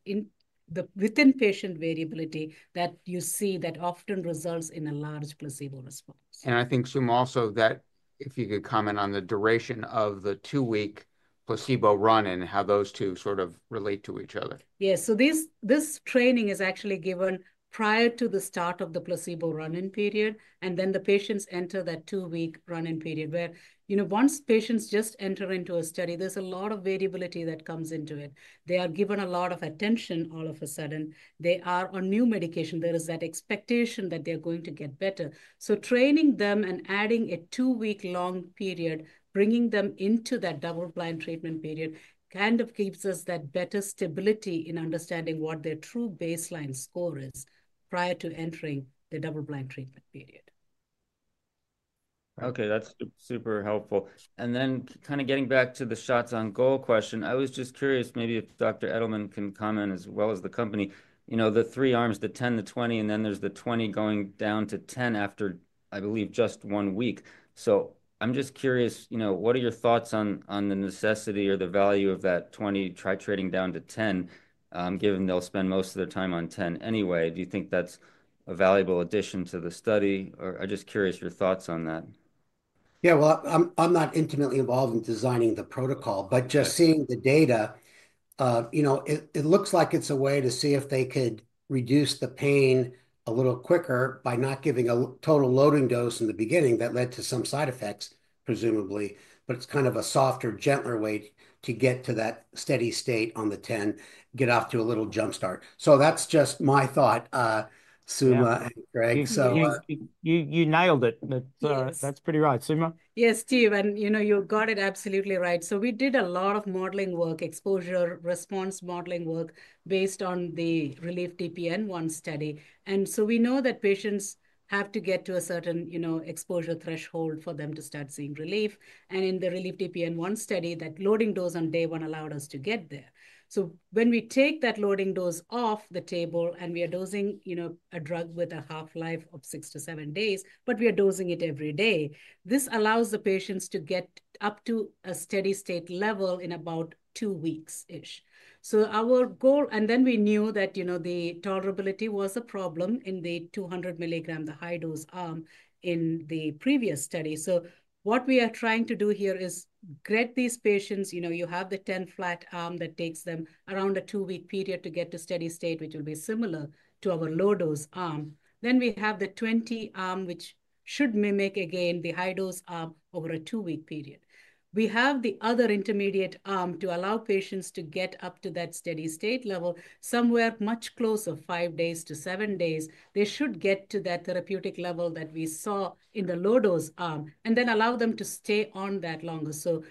within-patient variability that you see that often results in a large placebo response. And I think, Suma, also that if you could comment on the duration of the two-week placebo run and how those two sort of relate to each other. Yes. So this training is actually given prior to the start of the placebo run-in period. And then the patients enter that two-week run-in period where, you know, once patients just enter into a study, there's a lot of variability that comes into it. They are given a lot of attention all of a sudden. They are on new medication. There is that expectation that they're going to get better. So training them and adding a two-week long period, bringing them into that double-blind treatment period kind of gives us that better stability in understanding what their true baseline score is prior to entering the double-blind treatment period. Okay. That's super helpful. And then kind of getting back to the shots on goal question, I was just curious maybe if Dr. Edelman can comment as well as the company, you know, the three arms, the 10, the 20, and then there's the 20 going down to 10 after, I believe, just one week. I'm just curious, you know, what are your thoughts on the necessity or the value of that 20 mg titrating down to 10, given they'll spend most of their time on 10 anyway? Do you think that's a valuable addition to the study? Or I'm just curious your thoughts on that. Yeah. Well, I'm not intimately involved in designing the protocol, but just seeing the data, you know, it looks like it's a way to see if they could reduce the pain a little quicker by not giving a total loading dose in the beginning that led to some side effects, presumably. But it's kind of a softer, gentler way to get to that steady state on the 10, get off to a little jump start. So that's just my thought, Suma and Craig. So you nailed it. That's pretty right. Suma? Yes, Steve. And you know, you got it absolutely right. So we did a lot of modeling work, exposure response modeling work based on the RELIEF-DPN-1 study. And so we know that patients have to get to a certain, you know, exposure threshold for them to start seeing relief. And in the RELIEF-DPN-1 study, that loading dose on day one allowed us to get there. So when we take that loading dose off the table and we are dosing, you know, a drug with a half-life of six to seven days, but we are dosing it every day, this allows the patients to get up to a steady state level in about two weeks-ish. So our goal, and then we knew that, you know, the tolerability was a problem in the 200 milligram, the high-dose arm in the previous study. So what we are trying to do here is group these patients, you know, you have the 10-mg arm that takes them around a two-week period to get to steady state, which will be similar to our low-dose arm. Then we have the 20-mg arm, which should mimic again the high-dose arm over a two-week period. We have the other intermediate arm to allow patients to get up to that steady state level somewhere much closer to five days to seven days. They should get to that therapeutic level that we saw in the low-dose arm and then allow them to stay on that longer. So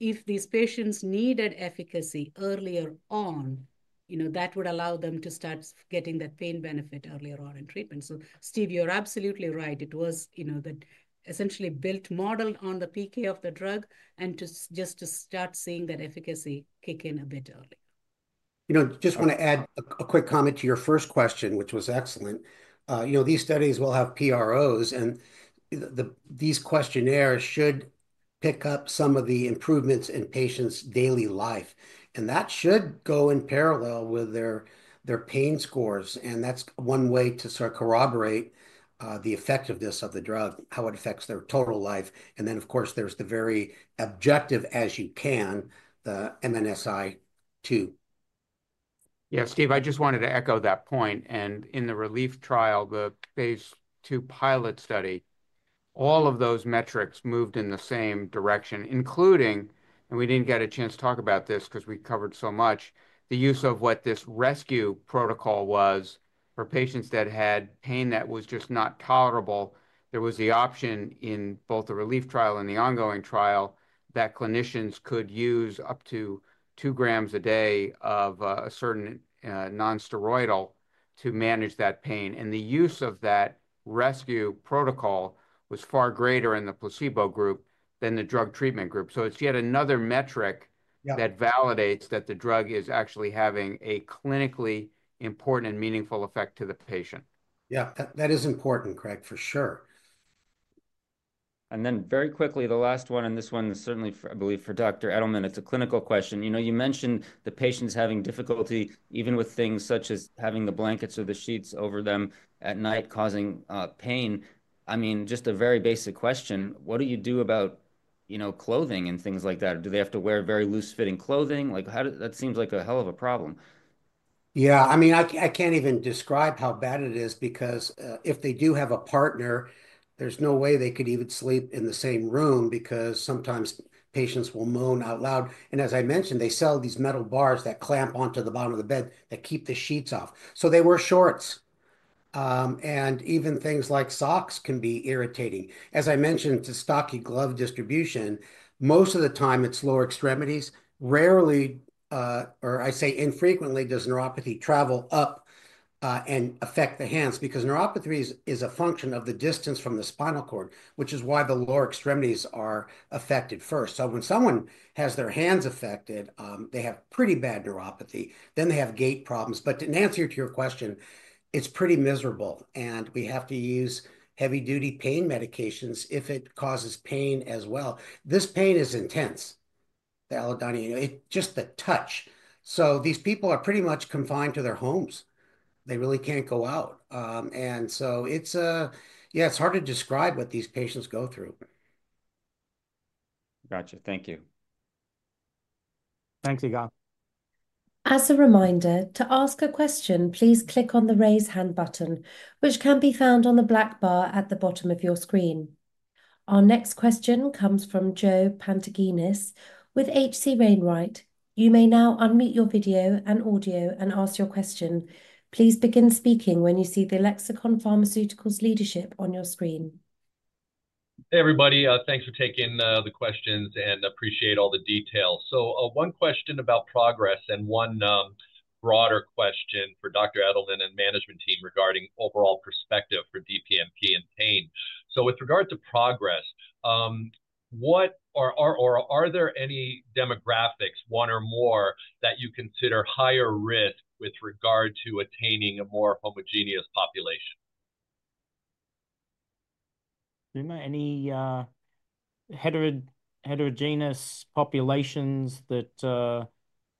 if these patients needed efficacy earlier on, you know, that would allow them to start getting that pain benefit earlier on in treatment. So Steve, you're absolutely right. It was, you know, that essentially built modeled on the PK of the drug and just to start seeing that efficacy kick in a bit earlier. You know, just want to add a quick comment to your first question, which was excellent. You know, these studies will have PROs, and these questionnaires should pick up some of the improvements in patients' daily life. And that should go in parallel with their pain scores. And that's one way to sort of corroborate the effectiveness of the drug, how it affects their total life. And then, of course, there's the very objective as you can, the MNSI, too. Yeah. Steve, I just wanted to echo that point. In the RELIEF trial, the phase II pilot study, all of those metrics moved in the same direction, including, and we didn't get a chance to talk about this because we covered so much, the use of what this rescue protocol was for patients that had pain that was just not tolerable. There was the option in both the RELIEF trial and the ongoing trial that clinicians could use up to two grams a day of a certain nonsteroidal to manage that pain. The use of that rescue protocol was far greater in the placebo group than the drug treatment group. It's yet another metric that validates that the drug is actually having a clinically important and meaningful effect to the patient. Yeah. That is important, Craig, for sure. Very quickly, the last one, and this one is certainly, I believe, for Dr. Edelman, it's a clinical question. You know, you mentioned the patients having difficulty even with things such as having the blankets or the sheets over them at night causing pain. I mean, just a very basic question, what do you do about, you know, clothing and things like that? Do they have to wear very loose-fitting clothing? Like, how does that seem like a hell of a problem? Yeah. I mean, I can't even describe how bad it is because if they do have a partner, there's no way they could even sleep in the same room because sometimes patients will moan out loud. And as I mentioned, they sell these metal bars that clamp onto the bottom of the bed that keep the sheets off. So they wear shorts. And even things like socks can be irritating. As I mentioned, to stocking-glove distribution, most of the time it's lower extremities. Rarely, or I say infrequently, does neuropathy travel up and affect the hands because neuropathy is a function of the distance from the spinal cord, which is why the lower extremities are affected first. So when someone has their hands affected, they have pretty bad neuropathy. Then they have gait problems. But to answer your question, it's pretty miserable. And we have to use heavy-duty pain medications if it causes pain as well. This pain is intense. The allodynia, just the touch. So these people are pretty much confined to their homes. They really can't go out. And so it's, yeah, it's hard to describe what these patients go through. Gotcha. Thank you. Thanks, Yigal. As a reminder, to ask a question, please click on the raise hand button, which can be found on the black bar at the bottom of your screen. Our next question comes from Joe Pantginis with H.C. Wainwright. You may now unmute your video and audio and ask your question. Please begin speaking when you see the Lexicon Pharmaceuticals leadership on your screen. Hey, everybody. Thanks for taking the questions and appreciate all the details. So one question about PROGRESS and one broader question for Dr. Edelman and management team regarding overall perspective for DPNP and pain. So with regard to PROGRESS, what are or are there any demographics, one or more, that you consider higher risk with regard to attaining a more homogeneous population? Any heterogeneous populations that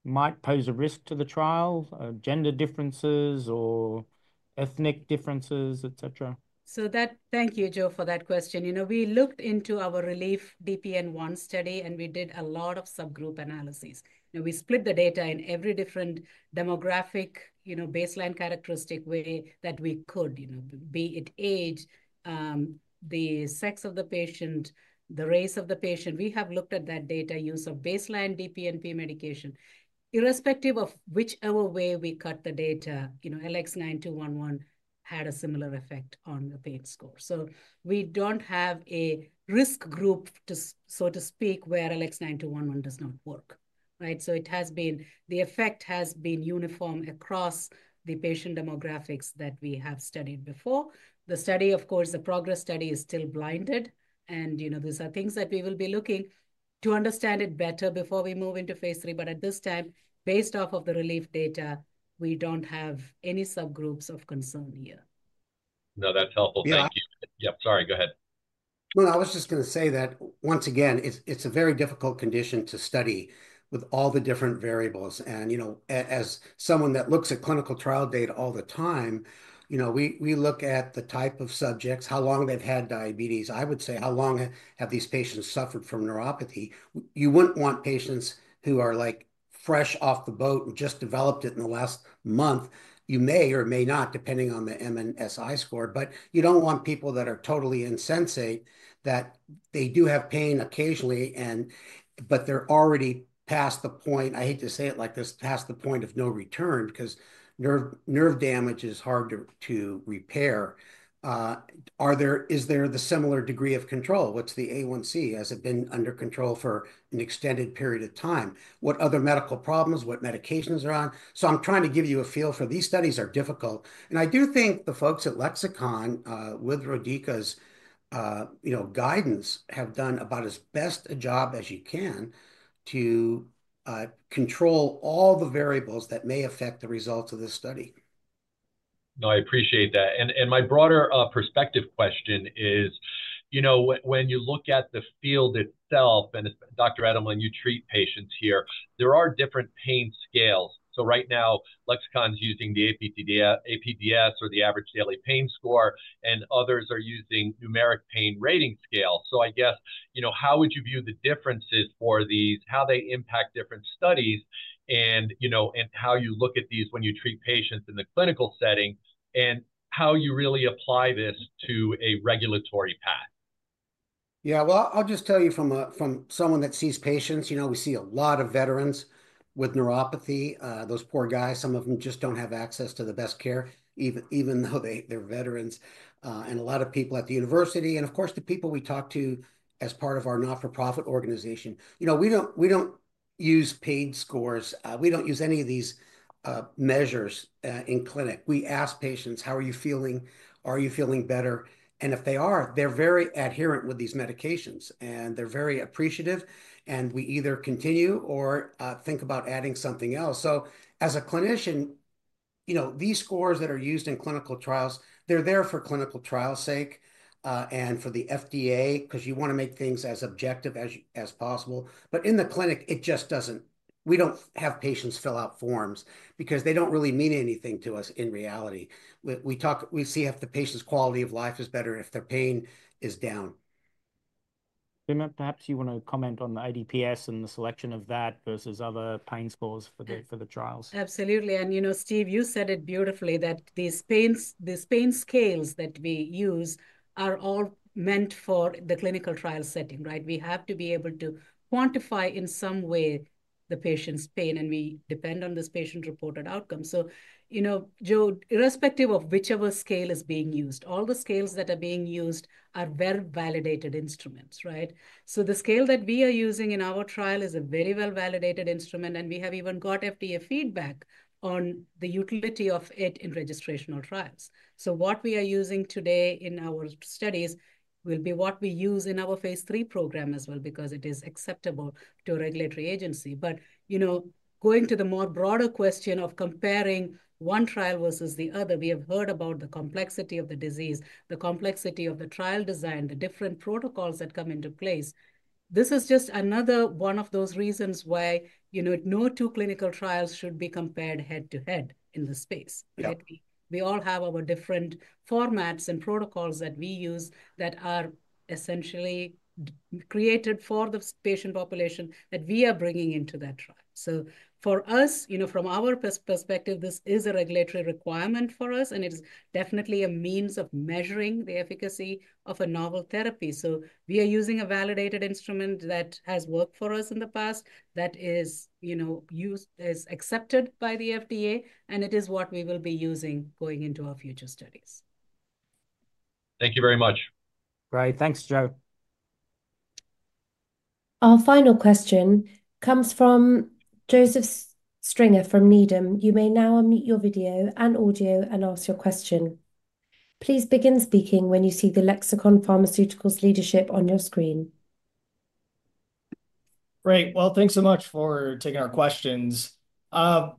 might pose a risk to the trial, gender differences or ethnic differences, et cetera? So, thank you, Joe, for that question. You know, we looked into our RELIEF-DPN-1 study, and we did a lot of subgroup analyses. You know, we split the data in every different demographic, you know, baseline characteristic way that we could, you know, be it age, the sex of the patient, the race of the patient. We have looked at that data, use of baseline DPNP medication. Irrespective of whichever way we cut the data, you know, LX9211 had a similar effect on the pain score. So we don't have a risk group, so to speak, where LX9211 does not work. Right? So it has been, the effect has been uniform across the patient demographics that we have studied before. The study, of course, the PROGRESS study is still blinded. You know, these are things that we will be looking to understand it better before we move into phase III. At this time, based off of the RELIEF data, we don't have any subgroups of concern here. No, that's helpful. Thank you. Yep. Sorry. Go ahead. I was just going to say that once again, it's a very difficult condition to study with all the different variables. You know, as someone that looks at clinical trial data all the time, you know, we look at the type of subjects, how long they've had diabetes. I would say how long have these patients suffered from neuropathy. You wouldn't want patients who are like fresh off the boat and just developed it in the last month. You may or may not, depending on the MNSI score. But you don't want people that are totally insensate that they do have pain occasionally, but they're already past the point. I hate to say it like this, past the point of no return because nerve damage is hard to repair. Is there the similar degree of control? What's the A1C? Has it been under control for an extended period of time? What other medical problems? What medications are on? So I'm trying to give you a feel for these studies are difficult. And I do think the folks at Lexicon with Rodica's, you know, guidance have done about as best a job as you can to control all the variables that may affect the results of this study. No, I appreciate that. And my broader perspective question is, you know, when you look at the field itself, and Dr. Edelman, you treat patients here, there are different pain scales. So right now, Lexicon's using the ADPS or the average daily pain score, and others are using numeric pain rating scales. So I guess, you know, how would you view the differences for these, how they impact different studies, and, you know, and how you look at these when you treat patients in the clinical setting, and how you really apply this to a regulatory path? Yeah. Well, I'll just tell you from someone that sees patients, you know, we see a lot of veterans with neuropathy, those poor guys, some of them just don't have access to the best care, even though they're veterans. And a lot of people at the university and, of course, the people we talk to as part of our not-for-profit organization, you know, we don't use pain scores. We don't use any of these measures in clinic. We ask patients, how are you feeling? Are you feeling better? And if they are, they're very adherent with these medications, and they're very appreciative. And we either continue or think about adding something else. So as a clinician, you know, these scores that are used in clinical trials, they're there for clinical trial's sake and for the FDA because you want to make things as objective as possible. But in the clinic, it just doesn't. We don't have patients fill out forms because they don't really mean anything to us in reality. We talk, we see if the patient's quality of life is better if their pain is down. Perhaps you want to comment on the ADPS and the selection of that versus other pain scores for the trials. Absolutely. And, you know, Steve, you said it beautifully that these pain scales that we use are all meant for the clinical trial setting, right? We have to be able to quantify in some way the patient's pain, and we depend on this patient-reported outcome. So, you know, Joe, irrespective of whichever scale is being used, all the scales that are being used are very well-validated instruments, right? So the scale that we are using in our trial is a very well-validated instrument, and we have even got FDA feedback on the utility of it in registrational trials. So what we are using today in our studies will be what we use in our phase III program as well because it is acceptable to a regulatory agency. But, you know, going to the more broader question of comparing one trial versus the other, we have heard about the complexity of the disease, the complexity of the trial design, the different protocols that come into place. This is just another one of those reasons why, you know, no two clinical trials should be compared head-to-head in the space. We all have our different formats and protocols that we use that are essentially created for the patient population that we are bringing into that trial. So for us, you know, from our perspective, this is a regulatory requirement for us, and it is definitely a means of measuring the efficacy of a novel therapy. So we are using a validated instrument that has worked for us in the past that is, you know, accepted by the FDA, and it is what we will be using going into our future studies. Thank you very much. Great. Thanks, Joe. Our final question comes from Joseph Stringer from Needham. You may now unmute your video and audio and ask your question. Please begin speaking when you see the Lexicon Pharmaceuticals leadership on your screen. Great. Well, thanks so much for taking our questions.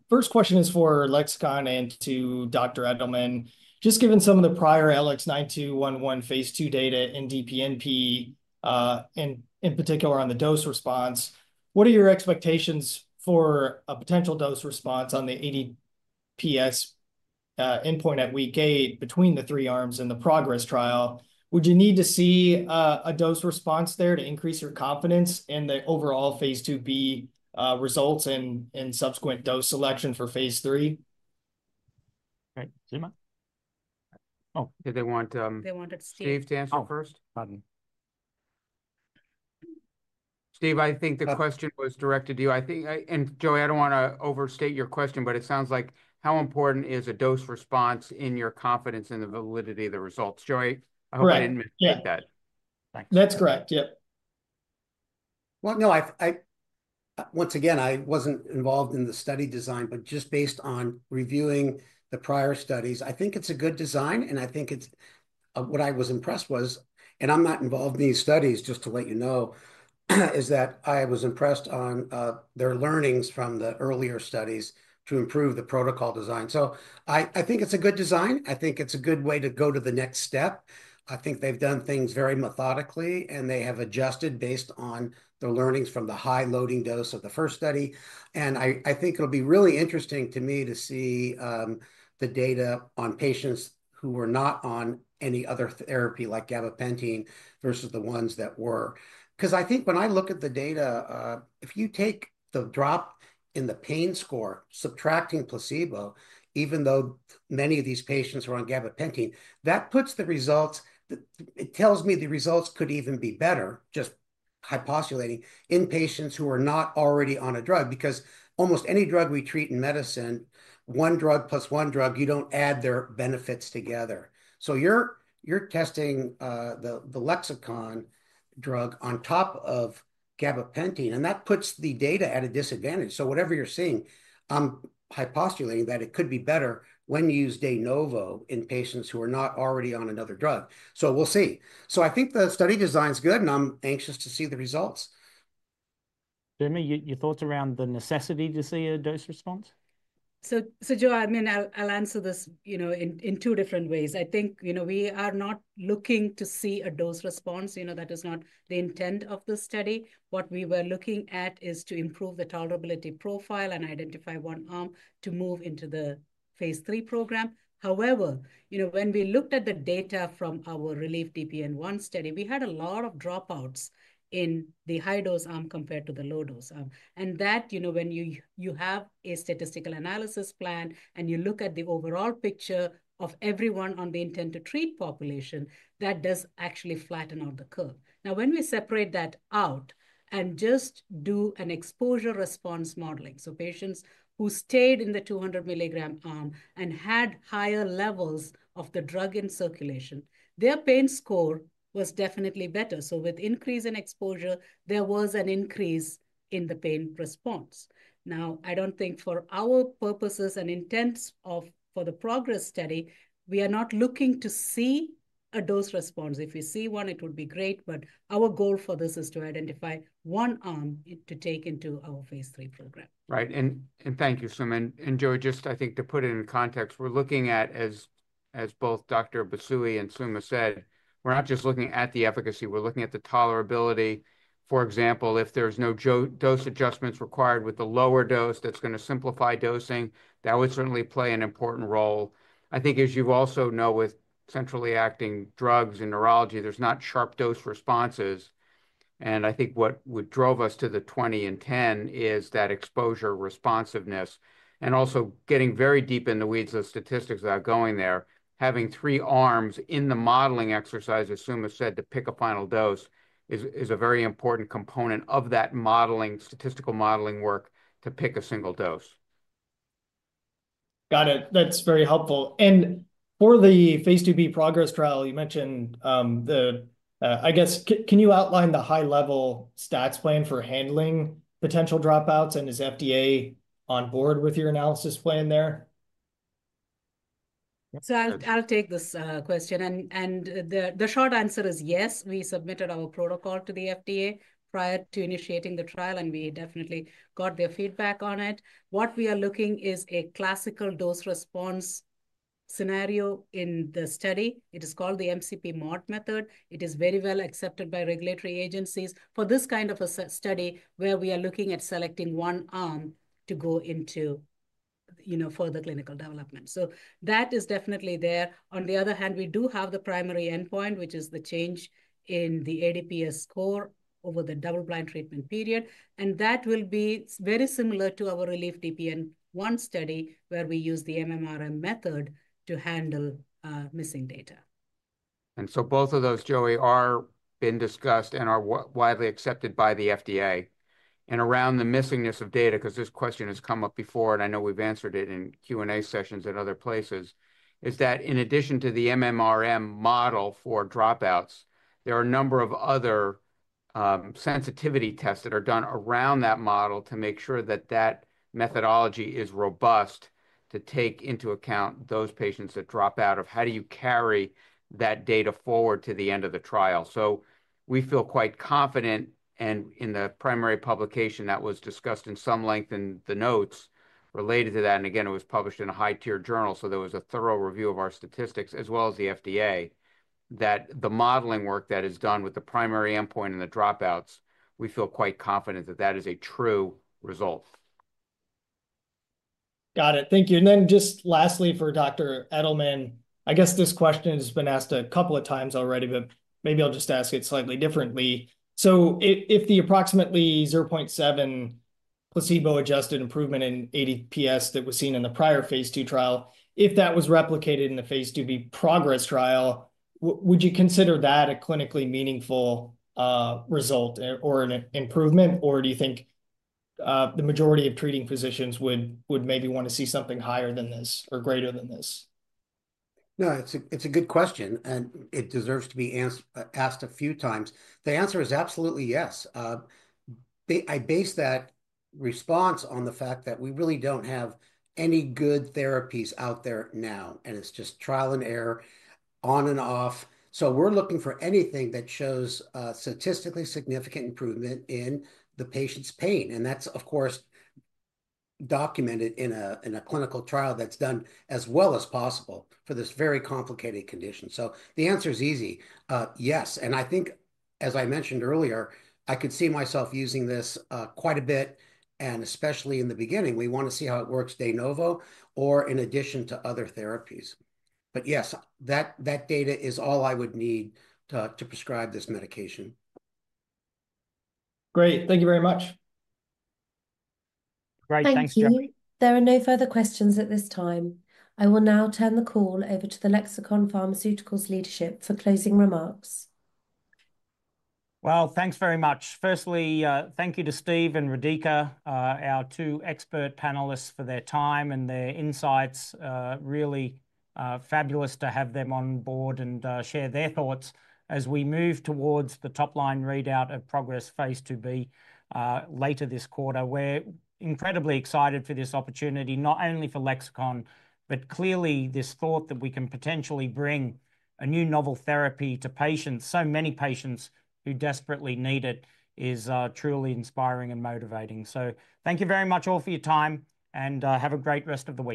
First question is for Lexicon and to Dr. Edelman. Just given some of the prior LX9211 phase II data in DPNP, and in particular on the dose response, what are your expectations for a potential dose response on the ADPS endpoint at week eight between the three arms and the PROGRESS trial? Would you need to see a dose response there to increase your confidence in the overall phase IIb results and subsequent dose selection for phase III? Okay. Do you mind? Oh, did they want Steve to answer first? Pardon? Steve, I think the question was directed to you. I think, and Joe, I don't want to overstate your question, but it sounds like how important is a dose response in your confidence in the validity of the results? Joe, I hope I didn't misstate that. That's correct. Yep. Well, no, once again, I wasn't involved in the study design, but just based on reviewing the prior studies, I think it's a good design. And I think it's what I was impressed was, and I'm not involved in these studies, just to let you know, is that I was impressed on their learnings from the earlier studies to improve the protocol design. So I think it's a good design. I think it's a good way to go to the next step. I think they've done things very methodically, and they have adjusted based on the learnings from the high loading dose of the first study. And I think it'll be really interesting to me to see the data on patients who were not on any other therapy like gabapentin versus the ones that were. Because I think when I look at the data, if you take the drop in the pain score, subtracting placebo, even though many of these patients were on gabapentin, that puts the results. It tells me the results could even be better, just hypothesizing in patients who are not already on a drug because almost any drug we treat in medicine, one drug plus one drug, you don't add their benefits together. So you're testing the Lexicon drug on top of gabapentin, and that puts the data at a disadvantage. So whatever you're seeing, I'm hypothesizing that it could be better when you use LX9211 in patients who are not already on another drug. So we'll see. So I think the study design is good, and I'm anxious to see the results. Suma, your thoughts around the necessity to see a dose response? So, Joe, I mean, I'll answer this, you know, in two different ways. I think, you know, we are not looking to see a dose response. You know, that is not the intent of this study. What we were looking at is to improve the tolerability profile and identify one arm to move into the phase III program. However, you know, when we looked at the data from our RELIEF-DPN-1 study, we had a lot of dropouts in the high-dose arm compared to the low-dose arm. And that, you know, when you have a statistical analysis plan and you look at the overall picture of everyone on the intent-to-treat population, that does actually flatten out the curve. Now, when we separate that out and just do an exposure-response modeling, so patients who stayed in the 200 milligram arm and had higher levels of the drug in circulation, their pain score was definitely better. So with increase in exposure, there was an increase in the pain response. Now, I don't think for our purposes and intents for the PROGRESS study, we are not looking to see a dose-response. If we see one, it would be great. But our goal for this is to identify one arm to take into our phase III program. Right. And thank you, Suma. And, Joe, just I think to put it in context, we're looking at, as both Dr. Busui and Suma said, we're not just looking at the efficacy. We're looking at the tolerability. For example, if there's no dose adjustments required with the lower dose, that's going to simplify dosing. That would certainly play an important role. I think, as you also know, with centrally acting drugs in neurology, there's not sharp dose responses. And I think what drove us to the 20 and 10 is that exposure responsiveness and also getting very deep in the weeds of statistics without going there, having three arms in the modeling exercise, as Suma said, to pick a final dose is a very important component of that modeling, statistical modeling work to pick a single dose. Got it. That's very helpful. And for the phase IIb PROGRESS trial, you mentioned the, I guess, can you outline the high-level stats plan for handling potential dropouts? And is FDA on board with your analysis plan there? So I'll take this question. And the short answer is yes. We submitted our protocol to the FDA prior to initiating the trial, and we definitely got their feedback on it. What we are looking at is a classical dose response scenario in the study. It is called the MCP-Mod method. It is very well accepted by regulatory agencies for this kind of a study where we are looking at selecting one arm to go into, you know, further clinical development. So that is definitely there. On the other hand, we do have the primary endpoint, which is the change in the ADPS score over the double-blind treatment period. And that will be very similar to our RELIEF-DPN-1 study where we use the MMRM method to handle missing data. And so both of those, Joey, are being discussed and are widely accepted by the FDA. Around the missingness of data, because this question has come up before, and I know we've answered it in Q&A sessions at other places, is that in addition to the MMRM model for dropouts, there are a number of other sensitivity tests that are done around that model to make sure that that methodology is robust to take into account those patients that drop out of how do you carry that data forward to the end of the trial. So we feel quite confident, and in the primary publication that was discussed in some length in the notes related to that, and again, it was published in a high-tier journal, so there was a thorough review of our statistics as well as the FDA, that the modeling work that is done with the primary endpoint and the dropouts, we feel quite confident that that is a true result. Got it. Thank you. And then just lastly for Dr. Edelman, I guess this question has been asked a couple of times already, but maybe I'll just ask it slightly differently. So if the approximately 0.7 placebo-adjusted improvement in ADPS that was seen in the prior phase II trial, if that was replicated in the phase IIb PROGRESS trial, would you consider that a clinically meaningful result or an improvement, or do you think the majority of treating physicians would maybe want to see something higher than this or greater than this? No, it's a good question, and it deserves to be asked a few times. The answer is absolutely yes. I base that response on the fact that we really don't have any good therapies out there now, and it's just trial and error, on and off. So we're looking for anything that shows statistically significant improvement in the patient's pain. And that's, of course, documented in a clinical trial that's done as well as possible for this very complicated condition. So the answer is easy. Yes. And I think, as I mentioned earlier, I could see myself using this quite a bit, and especially in the beginning, we want to see how it works as monotherapy or in addition to other therapies. But yes, that data is all I would need to prescribe this medication. Great. Thank you very much. Great. Thanks, Joe. Thank you. There are no further questions at this time. I will now turn the call over to the Lexicon Pharmaceuticals leadership for closing remarks. Well, thanks very much. Firstly, thank you to Steve and Rodica, our two expert panelists, for their time and their insights. Really fabulous to have them on board and share their thoughts as we move towards the top-line readout of PROGRESS phase IIb later this quarter. We're incredibly excited for this opportunity, not only for Lexicon, but clearly this thought that we can potentially bring a new novel therapy to patients, so many patients who desperately need it, is truly inspiring and motivating. So thank you very much all for your time, and have a great rest of the week.